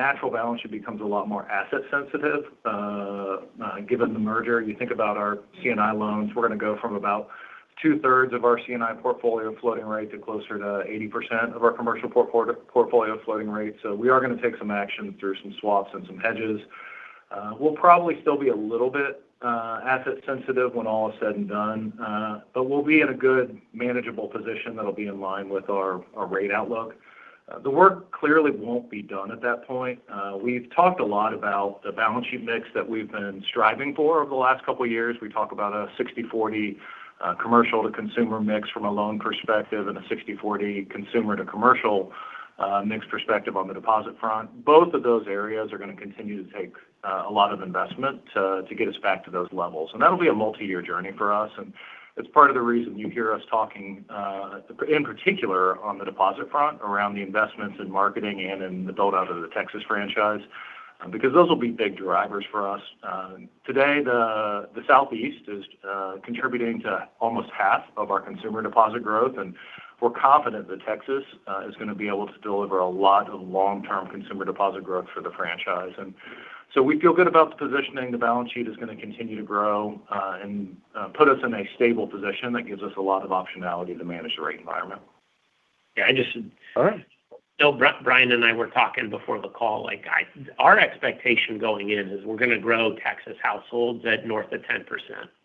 lot more asset sensitive given the merger. You think about our C&I loans. We're going to go from about two-thirds of our C&I portfolio floating rate to closer to 80% of our commercial portfolio floating rate. So we are going to take some action through some swaps and some hedges. We'll probably still be a little bit asset sensitive when all is said and done, but we'll be in a good manageable position that'll be in line with our rate outlook. The work clearly won't be done at that point. We've talked a lot about the balance sheet mix that we've been striving for over the last couple of years. We talk about a 60/40 commercial to consumer mix from a loan perspective and a 60/40 consumer to commercial mix perspective on the deposit front. Both of those areas are going to continue to take a lot of investment to get us back to those levels. And that'll be a multi-year journey for us. And it's part of the reason you hear us talking in particular on the deposit front around the investments in marketing and in the build-out of the Texas franchise because those will be big drivers for us. Today, the Southeast is contributing to almost half of our consumer deposit growth. And we're confident that Texas is going to be able to deliver a lot of long-term consumer deposit growth for the franchise. And so we feel good about the positioning. The balance sheet is going to continue to grow and put us in a stable position that gives us a lot of optionality to manage the rate environment. Yeah. All right. So Bryan and I were talking before the call. Our expectation going in is we're going to grow Texas households at north of 10%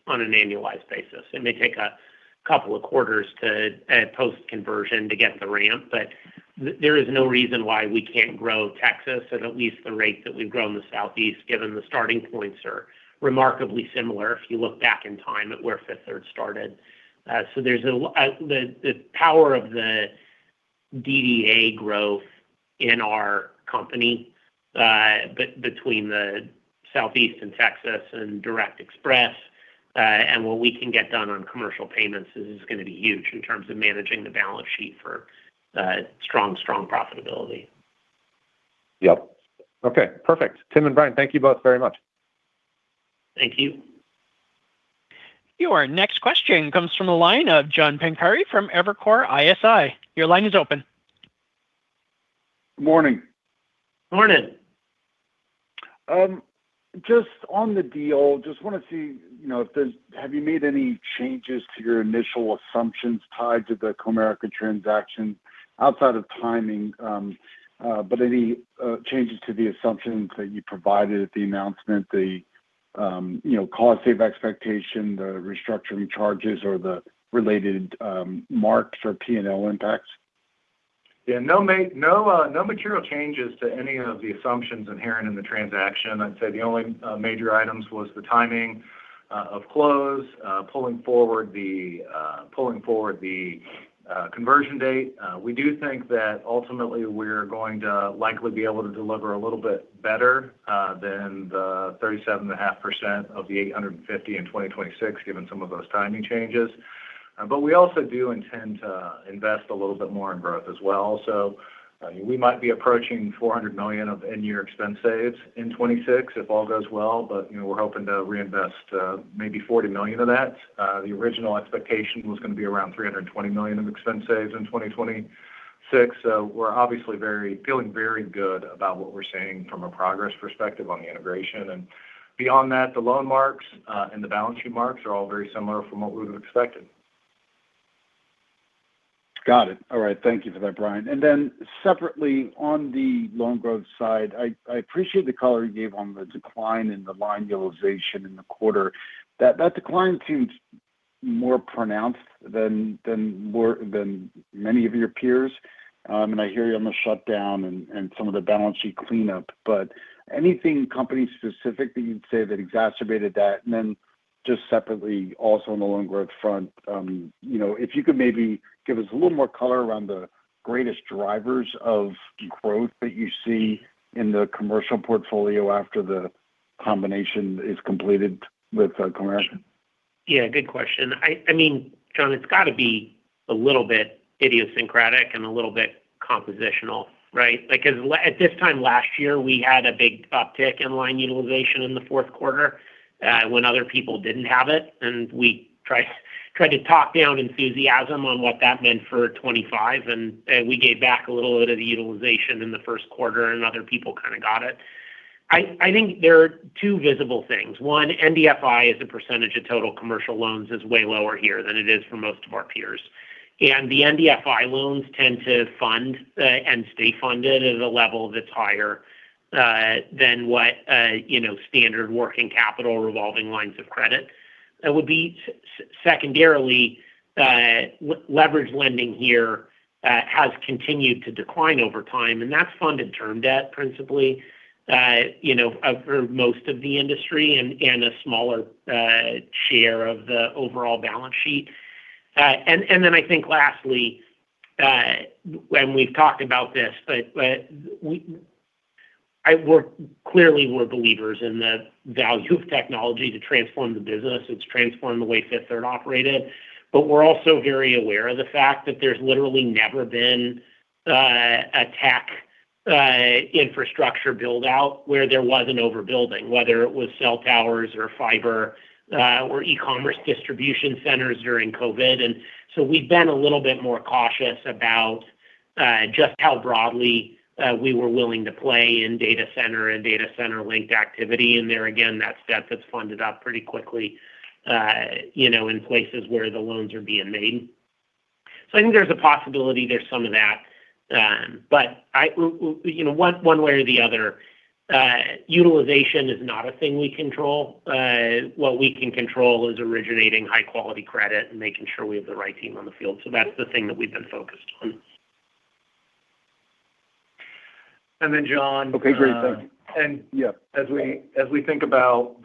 on an annualized basis. It may take a couple of quarters post-conversion to get the ramp, but there is no reason why we can't grow Texas at least the rate that we've grown the Southeast, given the starting points are remarkably similar if you look back in time at where Fifth Third started. So there's the power of the DDA growth in our company between the Southeast and Texas and Direct Express. What we can get done on commercial payments is going to be huge in terms of managing the balance sheet for strong, strong profitability. Yep. Okay. Perfect. Tim and Bryan, thank you both very much. Thank you. Your next question comes from a line of John Pancari from Evercore ISI. Your line is open. Morning. Morning. Just on the deal, just want to see if there have you made any changes to your initial assumptions tied to the Comerica transaction outside of timing, but any changes to the assumptions that you provided at the announcement, the cost-save expectation, the restructuring charges, or the related marks or P&L impacts? Yeah. No material changes to any of the assumptions inherent in the transaction. I'd say the only major items was the timing of close, pulling forward the conversion date. We do think that ultimately we're going to likely be able to deliver a little bit better than the 37.5% of the $850 million in 2026, given some of those timing changes. But we also do intend to invest a little bit more in growth as well. So we might be approaching $400 million of end-year expense saves in 2026 if all goes well, but we're hoping to reinvest maybe $40 million of that. The original expectation was going to be around $320 million of expense saves in 2026. So we're obviously feeling very good about what we're seeing from a progress perspective on the integration. And beyond that, the loan marks and the balance sheet marks are all very similar from what we would have expected. Got it. All right. Thank you for that, Bryan. And then separately on the loan growth side, I appreciate the color you gave on the decline in the line utilization in the quarter. That decline seems more pronounced than many of your peers. And I hear you on the shutdown and some of the balance sheet cleanup, but anything company-specific that you'd say that exacerbated that? And then just separately, also on the loan growth front, if you could maybe give us a little more color around the greatest drivers of growth that you see in the commercial portfolio after the combination is completed with Comerica? Yeah. Good question. I mean, John, it's got to be a little bit idiosyncratic and a little bit compositional, right? At this time last year, we had a big uptick in line utilization in the fourth quarter when other people didn't have it. And we tried to talk down enthusiasm on what that meant for 2025, and we gave back a little bit of the utilization in the first quarter, and other people kind of got it. I think there are two visible things. One, NDFI as a percentage of total commercial loans is way lower here than it is for most of our peers. And the NDFI loans tend to fund and stay funded at a level that's higher than what standard working capital revolving lines of credit would be. Secondarily, leverage lending here has continued to decline over time, and that's funded term debt principally for most of the industry and a smaller share of the overall balance sheet. And then I think lastly, and we've talked about this, but clearly we're believers in the value of technology to transform the business. It's transformed the way Fifth Third operated. But we're also very aware of the fact that there's literally never been a tech infrastructure build-out where there was an overbuilding, whether it was cell towers or fiber or e-commerce distribution centers during COVID. And so we've been a little bit more cautious about just how broadly we were willing to play in data center and data center-linked activity. And there again, that's debt that's funded up pretty quickly in places where the loans are being made. So I think there's a possibility there's some of that. But one way or the other, utilization is not a thing we control. What we can control is originating high-quality credit and making sure we have the right team on the field. So that's the thing that we've been focused on. And then, John. Okay. Great. Thank you. And as we think about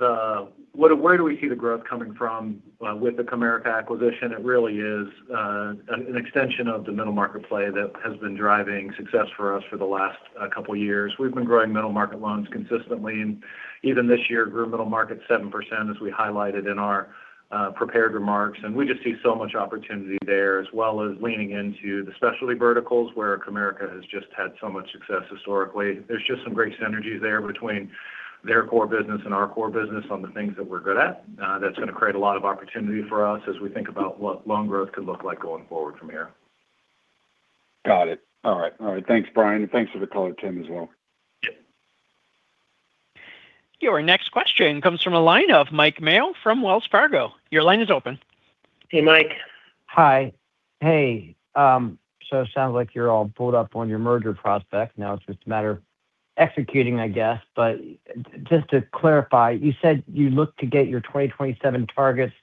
where do we see the growth coming from with the Comerica acquisition, it really is an extension of the middle market play that has been driving success for us for the last couple of years. We've been growing middle market loans consistently. And even this year, it grew middle market 7%, as we highlighted in our prepared remarks. And we just see so much opportunity there, as well as leaning into the specialty verticals where Comerica has just had so much success historically. There's just some great synergies there between their core business and our core business on the things that we're good at. That's going to create a lot of opportunity for us as we think about what loan growth could look like going forward from here. Got it. All right. All right. Thanks, Bryan. And thanks for the color, Tim, as well. Yep. Your next question comes from a line of Mike Mayo from Wells Fargo. Your line is open. Hey, Mike. Hi. Hey. So it sounds like you're all pulled up on your merger prospect. Now it's just a matter of executing, I guess. But just to clarify, you said you look to get your 2027 targets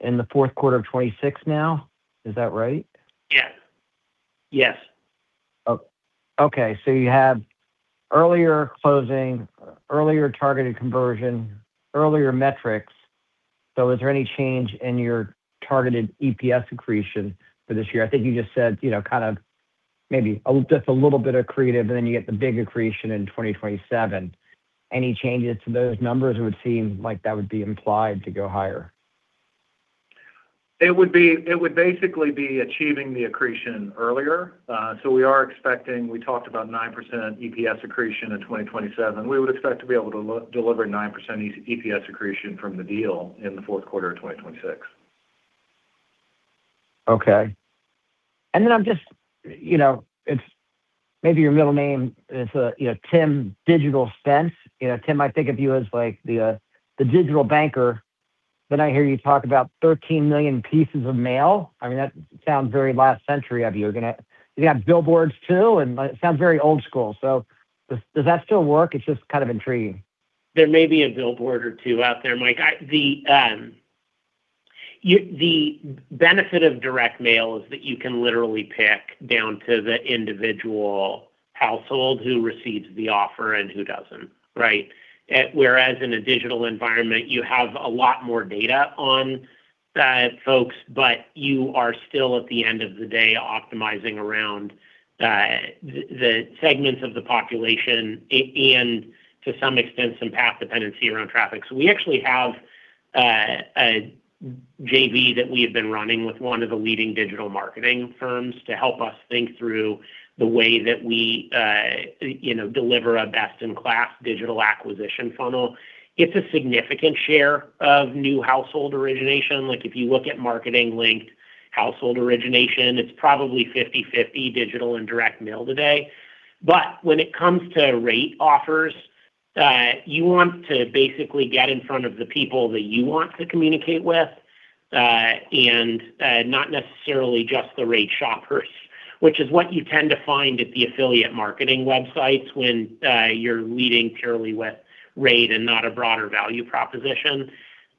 in the fourth quarter of 2026 now. Is that right? Yes. Yes. Okay. So you have earlier closing, earlier targeted conversion, earlier metrics. So is there any change in your targeted EPS accretion for this year? I think you just said kind of maybe just a little bit of accretive, and then you get the big accretion in 2027. Any changes to those numbers? It would seem like that would be implied to go higher. It would basically be achieving the accretion earlier. So we are expecting we talked about 9% EPS accretion in 2027. We would expect to be able to deliver 9% EPS accretion from the deal in the fourth quarter of 2026. Okay. And then I'm just maybe your middle name is Tim Digital Spence. Tim, I think of you as the digital banker, but I hear you talk about 13 million pieces of mail. I mean, that sounds very last century of you. You got billboards too, and it sounds very old school. So does that still work? It's just kind of intriguing. There may be a billboard or two out there. Mike, the benefit of direct mail is that you can literally pick down to the individual household who receives the offer and who doesn't, right? Whereas in a digital environment, you have a lot more data on folks, but you are still, at the end of the day, optimizing around the segments of the population and to some extent some path dependency around traffic. So we actually have a JV that we have been running with one of the leading digital marketing firms to help us think through the way that we deliver a best-in-class digital acquisition funnel. It's a significant share of new household origination. If you look at marketing-linked household origination, it's probably 50/50 digital and direct mail today. But when it comes to rate offers, you want to basically get in front of the people that you want to communicate with and not necessarily just the rate shoppers, which is what you tend to find at the affiliate marketing websites when you're leading purely with rate and not a broader value proposition.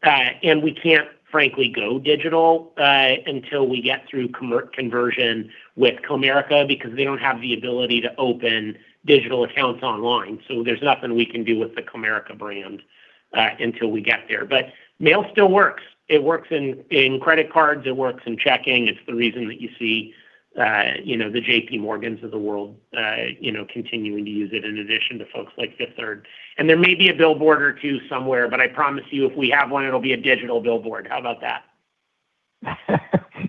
And we can't frankly go digital until we get through conversion with Comerica because they don't have the ability to open digital accounts online. So there's nothing we can do with the Comerica brand until we get there. But mail still works. It works in credit cards. It works in checking. It's the reason that you see the PMorgan of the world continuing to use it in addition to folks like Fifth Third. And there may be a billboard or two somewhere, but I promise you if we have one, it'll be a digital billboard. How about that?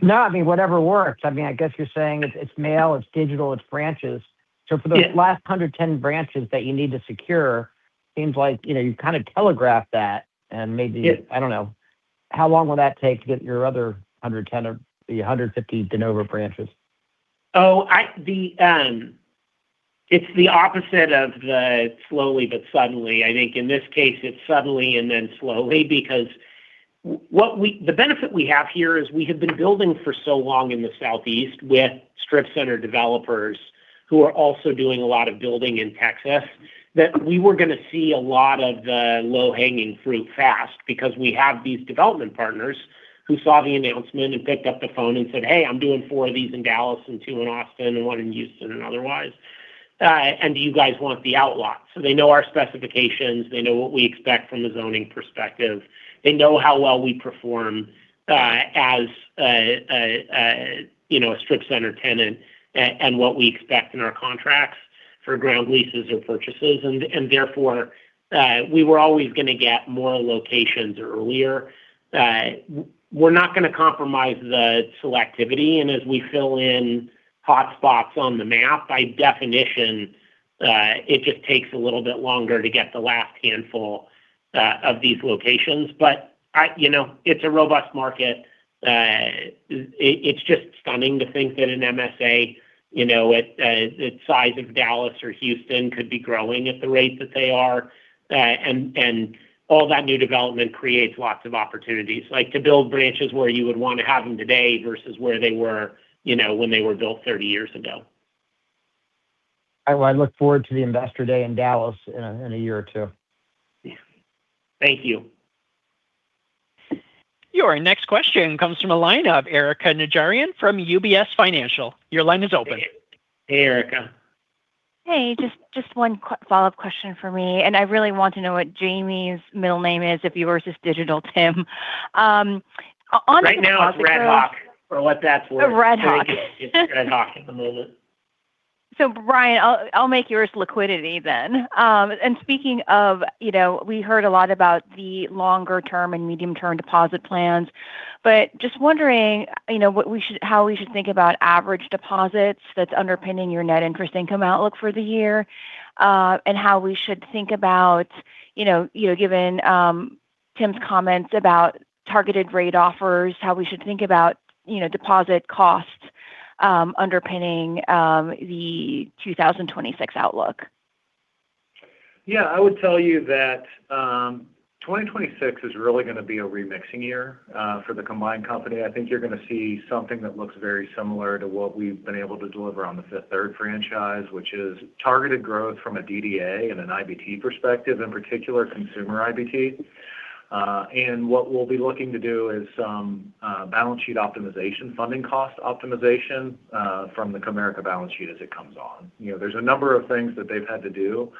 No, I mean, whatever works. I mean, I guess you're saying it's mail, it's digital, it's branches. So for the last 110 branches that you need to secure, it seems like you kind of telegraphed that. Maybe, I don't know, how long will that take to get your other 110 or 150 de novo branches? Oh, it's the opposite of the slowly but suddenly. I think in this case, it's suddenly and then slowly because the benefit we have here is we have been building for so long in the Southeast with strip center developers who are also doing a lot of building in Texas that we were going to see a lot of the low-hanging fruit fast because we have these development partners who saw the announcement and picked up the phone and said, "Hey, I'm doing four of these in Dallas and two in Austin and one in Houston and otherwise. And do you guys want the outlot?" So they know our specifications. They know what we expect from a zoning perspective. They know how well we perform as a strip center tenant and what we expect in our contracts for ground leases or purchases, and therefore, we were always going to get more locations earlier. We're not going to compromise the selectivity, and as we fill in hotspots on the map, by definition, it just takes a little bit longer to get the last handful of these locations, but it's a robust market. It's just stunning to think that an MSA at the size of Dallas or Houston could be growing at the rate that they are, and all that new development creates lots of opportunities to build branches where you would want to have them today versus where they were when they were built 30 years ago. I look forward to the investor day in Dallas in a year or two. Thank you. Your next question comes from a line of Erika Najarian from UBS. Your line is open. Hey, Erika. Hey. Just one follow-up question for me and I really want to know what Jamie's middle name is if yours is Digital Tim. Right now, it's RedHawk for what that's worth. RedHawk. It's RedHawk at the moment. So, Bryan, I'll make yours liquidity then and speaking of, we heard a lot about the longer-term and medium-term deposit plans, but just wondering how we should think about average deposits that's underpinning your net interest income outlook for the year and how we should think about, given Tim's comments about targeted rate offers, how we should think about deposit costs underpinning the 2026 outlook. Yeah. I would tell you that 2026 is really going to be a remixing year for the combined company. I think you're going to see something that looks very similar to what we've been able to deliver on the Fifth Third franchise, which is targeted growth from a DDA and an IBT perspective, in particular, consumer IBT, and what we'll be looking to do is some balance sheet optimization, funding cost optimization from the Comerica balance sheet as it comes on. There's a number of things that they've had to do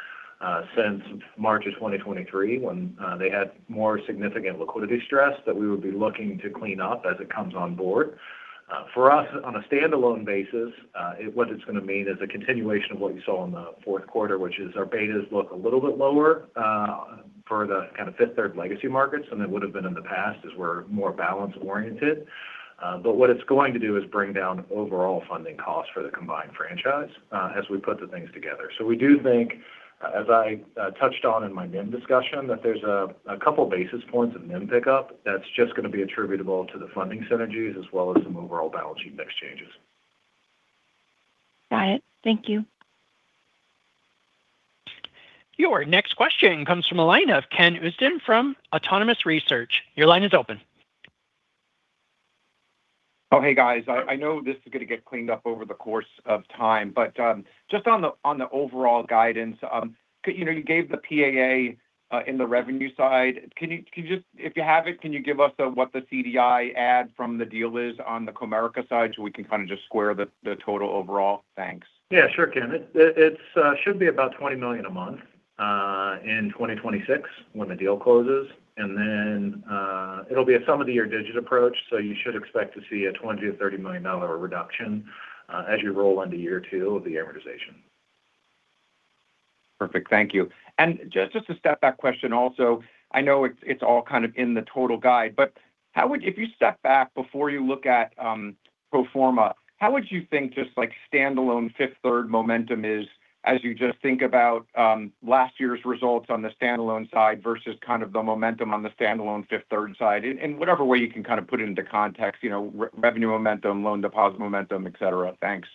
since March of 2023, when they had more significant liquidity stress, that we would be looking to clean up as it comes on board. For us, on a standalone basis, what it's going to mean is a continuation of what you saw in the fourth quarter, which is our betas look a little bit lower for the kind of Fifth Third legacy markets than they would have been in the past as we're more balance-oriented. But what it's going to do is bring down overall funding costs for the combined franchise as we put the things together. So we do think, as I touched on in my NIM discussion, that there's a couple of basis points of NIM pickup that's just going to be attributable to the funding synergies as well as some overall balance sheet mix changes. Got it. Thank you. Your next question comes from a line of Ken Usdin from Autonomous Research. Your line is open. Oh, hey, guys. I know this is going to get cleaned up over the course of time, but just on the overall guidance, you gave the PAA in the revenue side. If you have it, can you give us what the CDI add from the deal is on the Comerica side so we can kind of just square the total overall? Thanks. Yeah, sure, Ken. It should be about $20 million a month in 2026 when the deal closes, and then it'll be a sum-of-the-years'-digits approach, so you should expect to see a $20-$30 million reduction as you roll into year two of the amortization. Perfect. Thank you, and just to step back, question also, I know it's all kind of in the total guide, but if you step back before you look at pro forma, how would you think just standalone Fifth Third momentum is as you just think about last year's results on the standalone side versus kind of the momentum on the standalone Fifth Third side? In whatever way you can kind of put it into context, revenue momentum, loan, deposit momentum, etc. Thanks.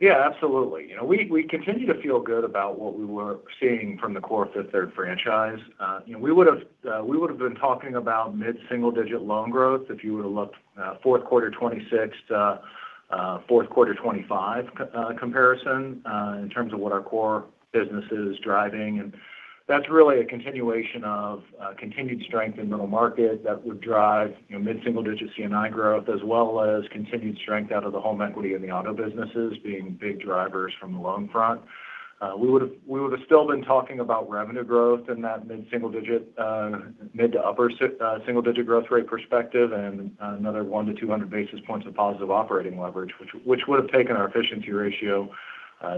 Yeah, absolutely. We continue to feel good about what we were seeing from the core Fifth Third franchise. We would have been talking about mid-single-digit loan growth if you would have looked at fourth quarter 2026 to fourth quarter 2025 comparison in terms of what our core business is driving. And that's really a continuation of continued strength in middle market that would drive mid-single-digit C&I growth as well as continued strength out of the home equity and the auto businesses being big drivers from the loan front. We would have still been talking about revenue growth in that mid-single-digit, mid to upper single-digit growth rate perspective and another 1 to 200 basis points of positive operating leverage, which would have taken our efficiency ratio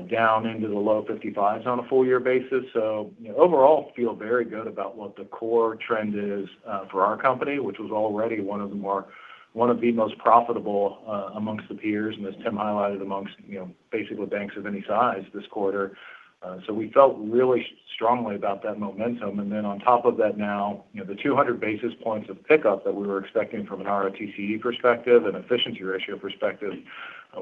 down into the low 55s on a full-year basis. So overall, feel very good about what the core trend is for our company, which was already one of the most profitable amongst the peers. As Tim highlighted, among basically banks of any size this quarter. We felt really strongly about that momentum. Then on top of that now, the 200 basis points of pickup that we were expecting from a ROTCE perspective and efficiency ratio perspective,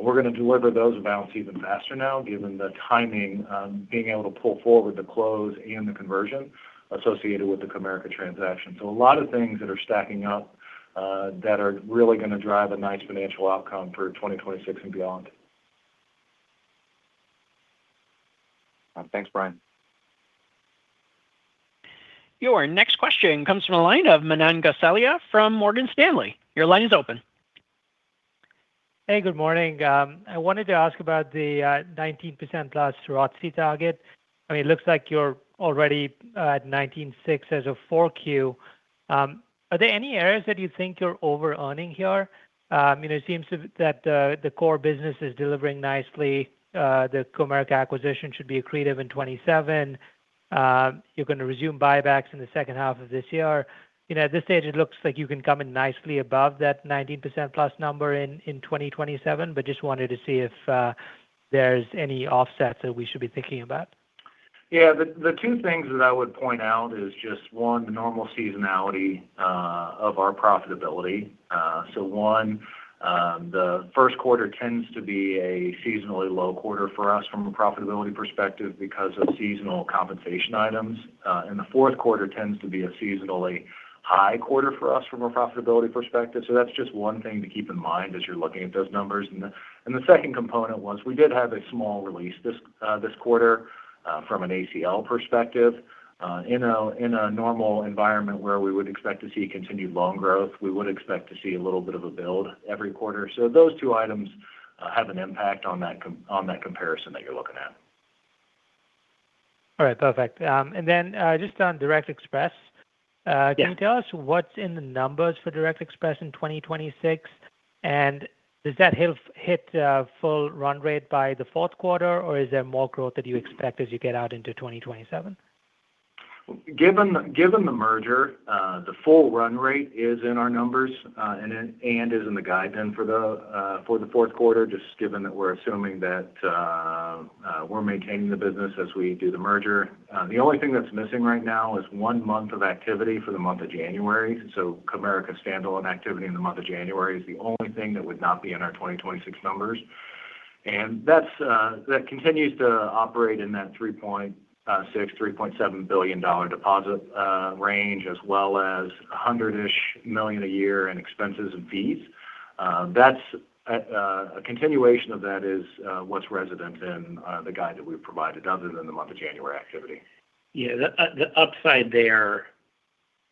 we're going to deliver those amounts even faster now given the timing of being able to pull forward the close and the conversion associated with the Comerica transaction. A lot of things that are stacking up that are really going to drive a nice financial outcome for 2026 and beyond. Thanks, Bryan. Your next question comes from a line of Manan Gosalia from Morgan Stanley. Your line is open. Hey, good morning. I wanted to ask about the 19% plus ROTCE target. I mean, it looks like you're already at 19.6% as of 4Q. Are there any areas that you think you're over-earning here? It seems that the core business is delivering nicely. The Comerica acquisition should be accretive in 2027. You're going to resume buybacks in the second half of this year. At this stage, it looks like you can come in nicely above that 19% plus number in 2027, but just wanted to see if there's any offsets that we should be thinking about. Yeah. The two things that I would point out is just, one, the normal seasonality of our profitability. So one, the first quarter tends to be a seasonally low quarter for us from a profitability perspective because of seasonal compensation items, and the fourth quarter tends to be a seasonally high quarter for us from a profitability perspective. So that's just one thing to keep in mind as you're looking at those numbers. And the second component was we did have a small release this quarter from an ACL perspective. In a normal environment where we would expect to see continued loan growth, we would expect to see a little bit of a build every quarter. So those two items have an impact on that comparison that you're looking at. All right. Perfect. And then just on Direct Express, can you tell us what's in the numbers for Direct Express in 2026? And does that hit full run rate by the fourth quarter, or is there more growth that you expect as you get out into 2027? Given the merger, the full run rate is in our numbers and is in the guide then for the fourth quarter, just given that we're assuming that we're maintaining the business as we do the merger. The only thing that's missing right now is one month of activity for the month of January. So Comerica standalone activity in the month of January is the only thing that would not be in our 2026 numbers. And that continues to operate in that $3.6-$3.7 billion deposit range as well as $100-ish million a year in expenses and fees. That's a continuation of that is what's resident in the guide that we've provided other than the month of January activity. Yeah. The upside there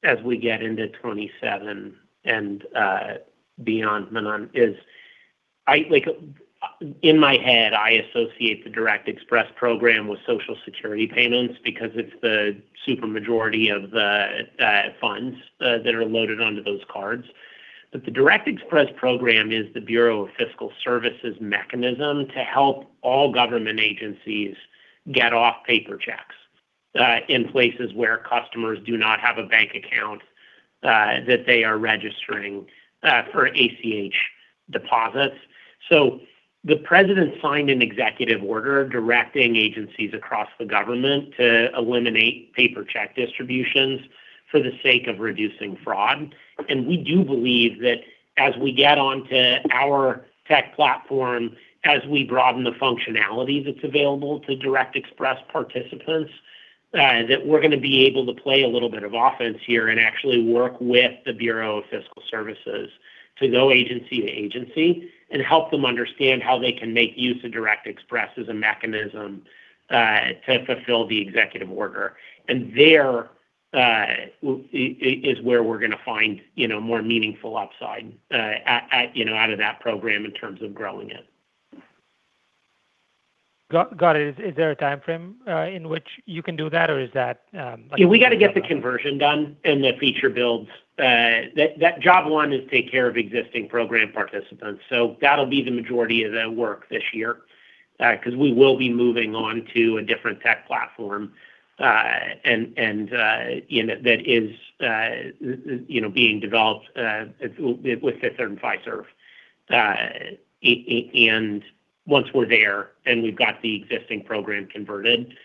as we get into 2027 and beyond, Manan, is in my head, I associate the Direct Express program with Social Security payments because it's the super majority of the funds that are loaded onto those cards. But the Direct Express program is the Bureau of the Fiscal Service mechanism to help all government agencies get off paper checks in places where customers do not have a bank account that they are registering for ACH deposits. So the president signed an executive order directing agencies across the government to eliminate paper check distributions for the sake of reducing fraud. And we do believe that as we get onto our tech platform, as we broaden the functionalities that's available to Direct Express participants, that we're going to be able to play a little bit of offense here and actually work with the Bureau of the Fiscal Service to go agency to agency and help them understand how they can make use of Direct Express as a mechanism to fulfill the executive order. And there is where we're going to find more meaningful upside out of that program in terms of growing it. Got it. Is there a time frame in which you can do that, or is that? Yeah. We got to get the conversion done and the feature builds. That job one is to take care of existing program participants. So that'll be the majority of the work this year because we will be moving on to a different tech platform and that is being developed with Fifth Third and Fiserv. And once we're there and we've got the existing program converted,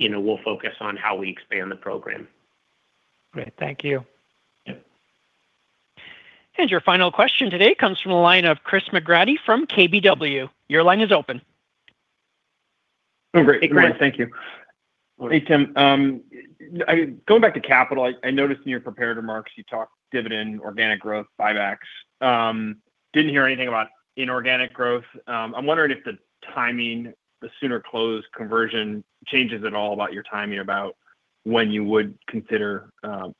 we'll focus on how we expand the program. Great. Thank you. And your final question today comes from a line of Chris McGratty from KBW. Your line is open. Oh, great. Thank you. Hey, Tim. Going back to capital, I noticed in your prepared remarks, you talked dividend, organic growth, buybacks. Didn't hear anything about inorganic growth. I'm wondering if the timing, the sooner close conversion changes at all about your timing about when you would consider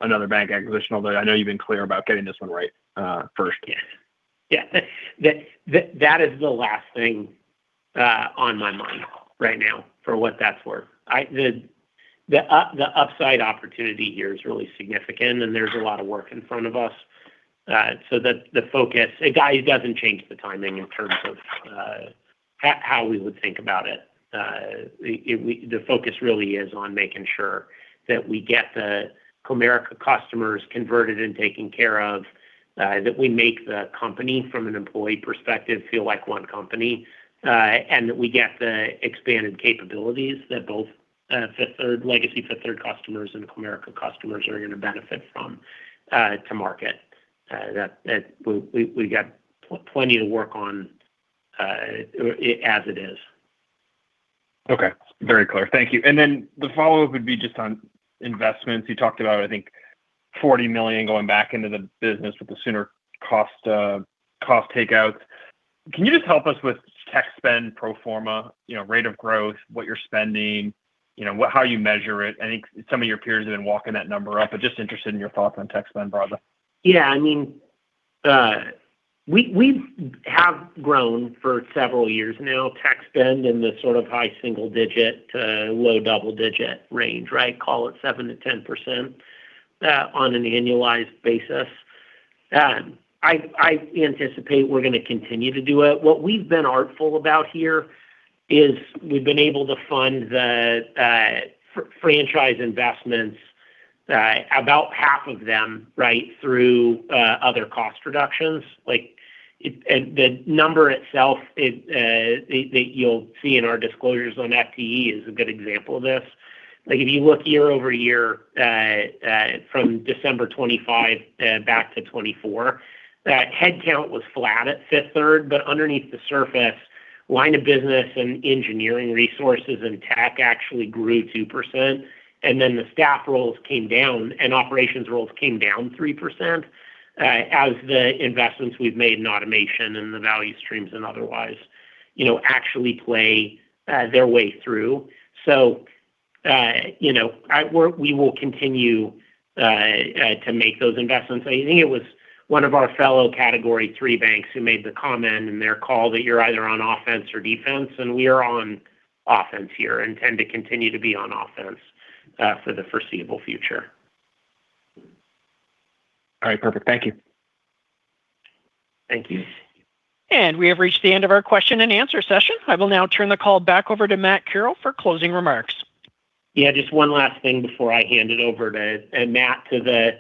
another bank acquisition, although I know you've been clear about getting this one right first. Yeah. That is the last thing on my mind right now for what that's worth. The upside opportunity here is really significant, and there's a lot of work in front of us. So the focus, it doesn't change the timing in terms of how we would think about it. The focus really is on making sure that we get the Comerica customers converted and taken care of, that we make the company from an employee perspective feel like one company, and that we get the expanded capabilities that both legacy Fifth Third customers and Comerica customers are going to benefit from to market. We got plenty to work on as it is. Okay. Very clear. Thank you. And then the follow-up would be just on investments. You talked about, I think, $40 million going back into the business with the sooner cost takeouts. Can you just help us with tech spend pro forma, rate of growth, what you're spending, how you measure it? I think some of your peers have been walking that number up, but just interested in your thoughts on tech spend broadly. Yeah. I mean, we have grown for several years now. Tech spend in the sort of high single-digit to low double-digit range, right? Call it 7%-10% on an annualized basis. I anticipate we're going to continue to do it. What we've been artful about here is we've been able to fund the franchise investments, about half of them, right, through other cost reductions. The number itself that you'll see in our disclosures on FTE is a good example of this. If you look year over year from December 2025 back to 2024, headcount was flat at Fifth Third, but underneath the surface, line of business and engineering resources and tech actually grew 2%. And then the staff roles came down and operations roles came down 3% as the investments we've made in automation and the value streams and otherwise actually play their way through. So we will continue to make those investments. I think it was one of our fellow Category III banks who made the comment in their call that you're either on offense or defense, and we are on offense here and tend to continue to be on offense for the foreseeable future. All right. Perfect. Thank you. Thank you. And we have reached the end of our question and answer session. I will now turn the call back over to Matt Curoe for closing remarks. Yeah. Just one last thing before I hand it over to Matt to the.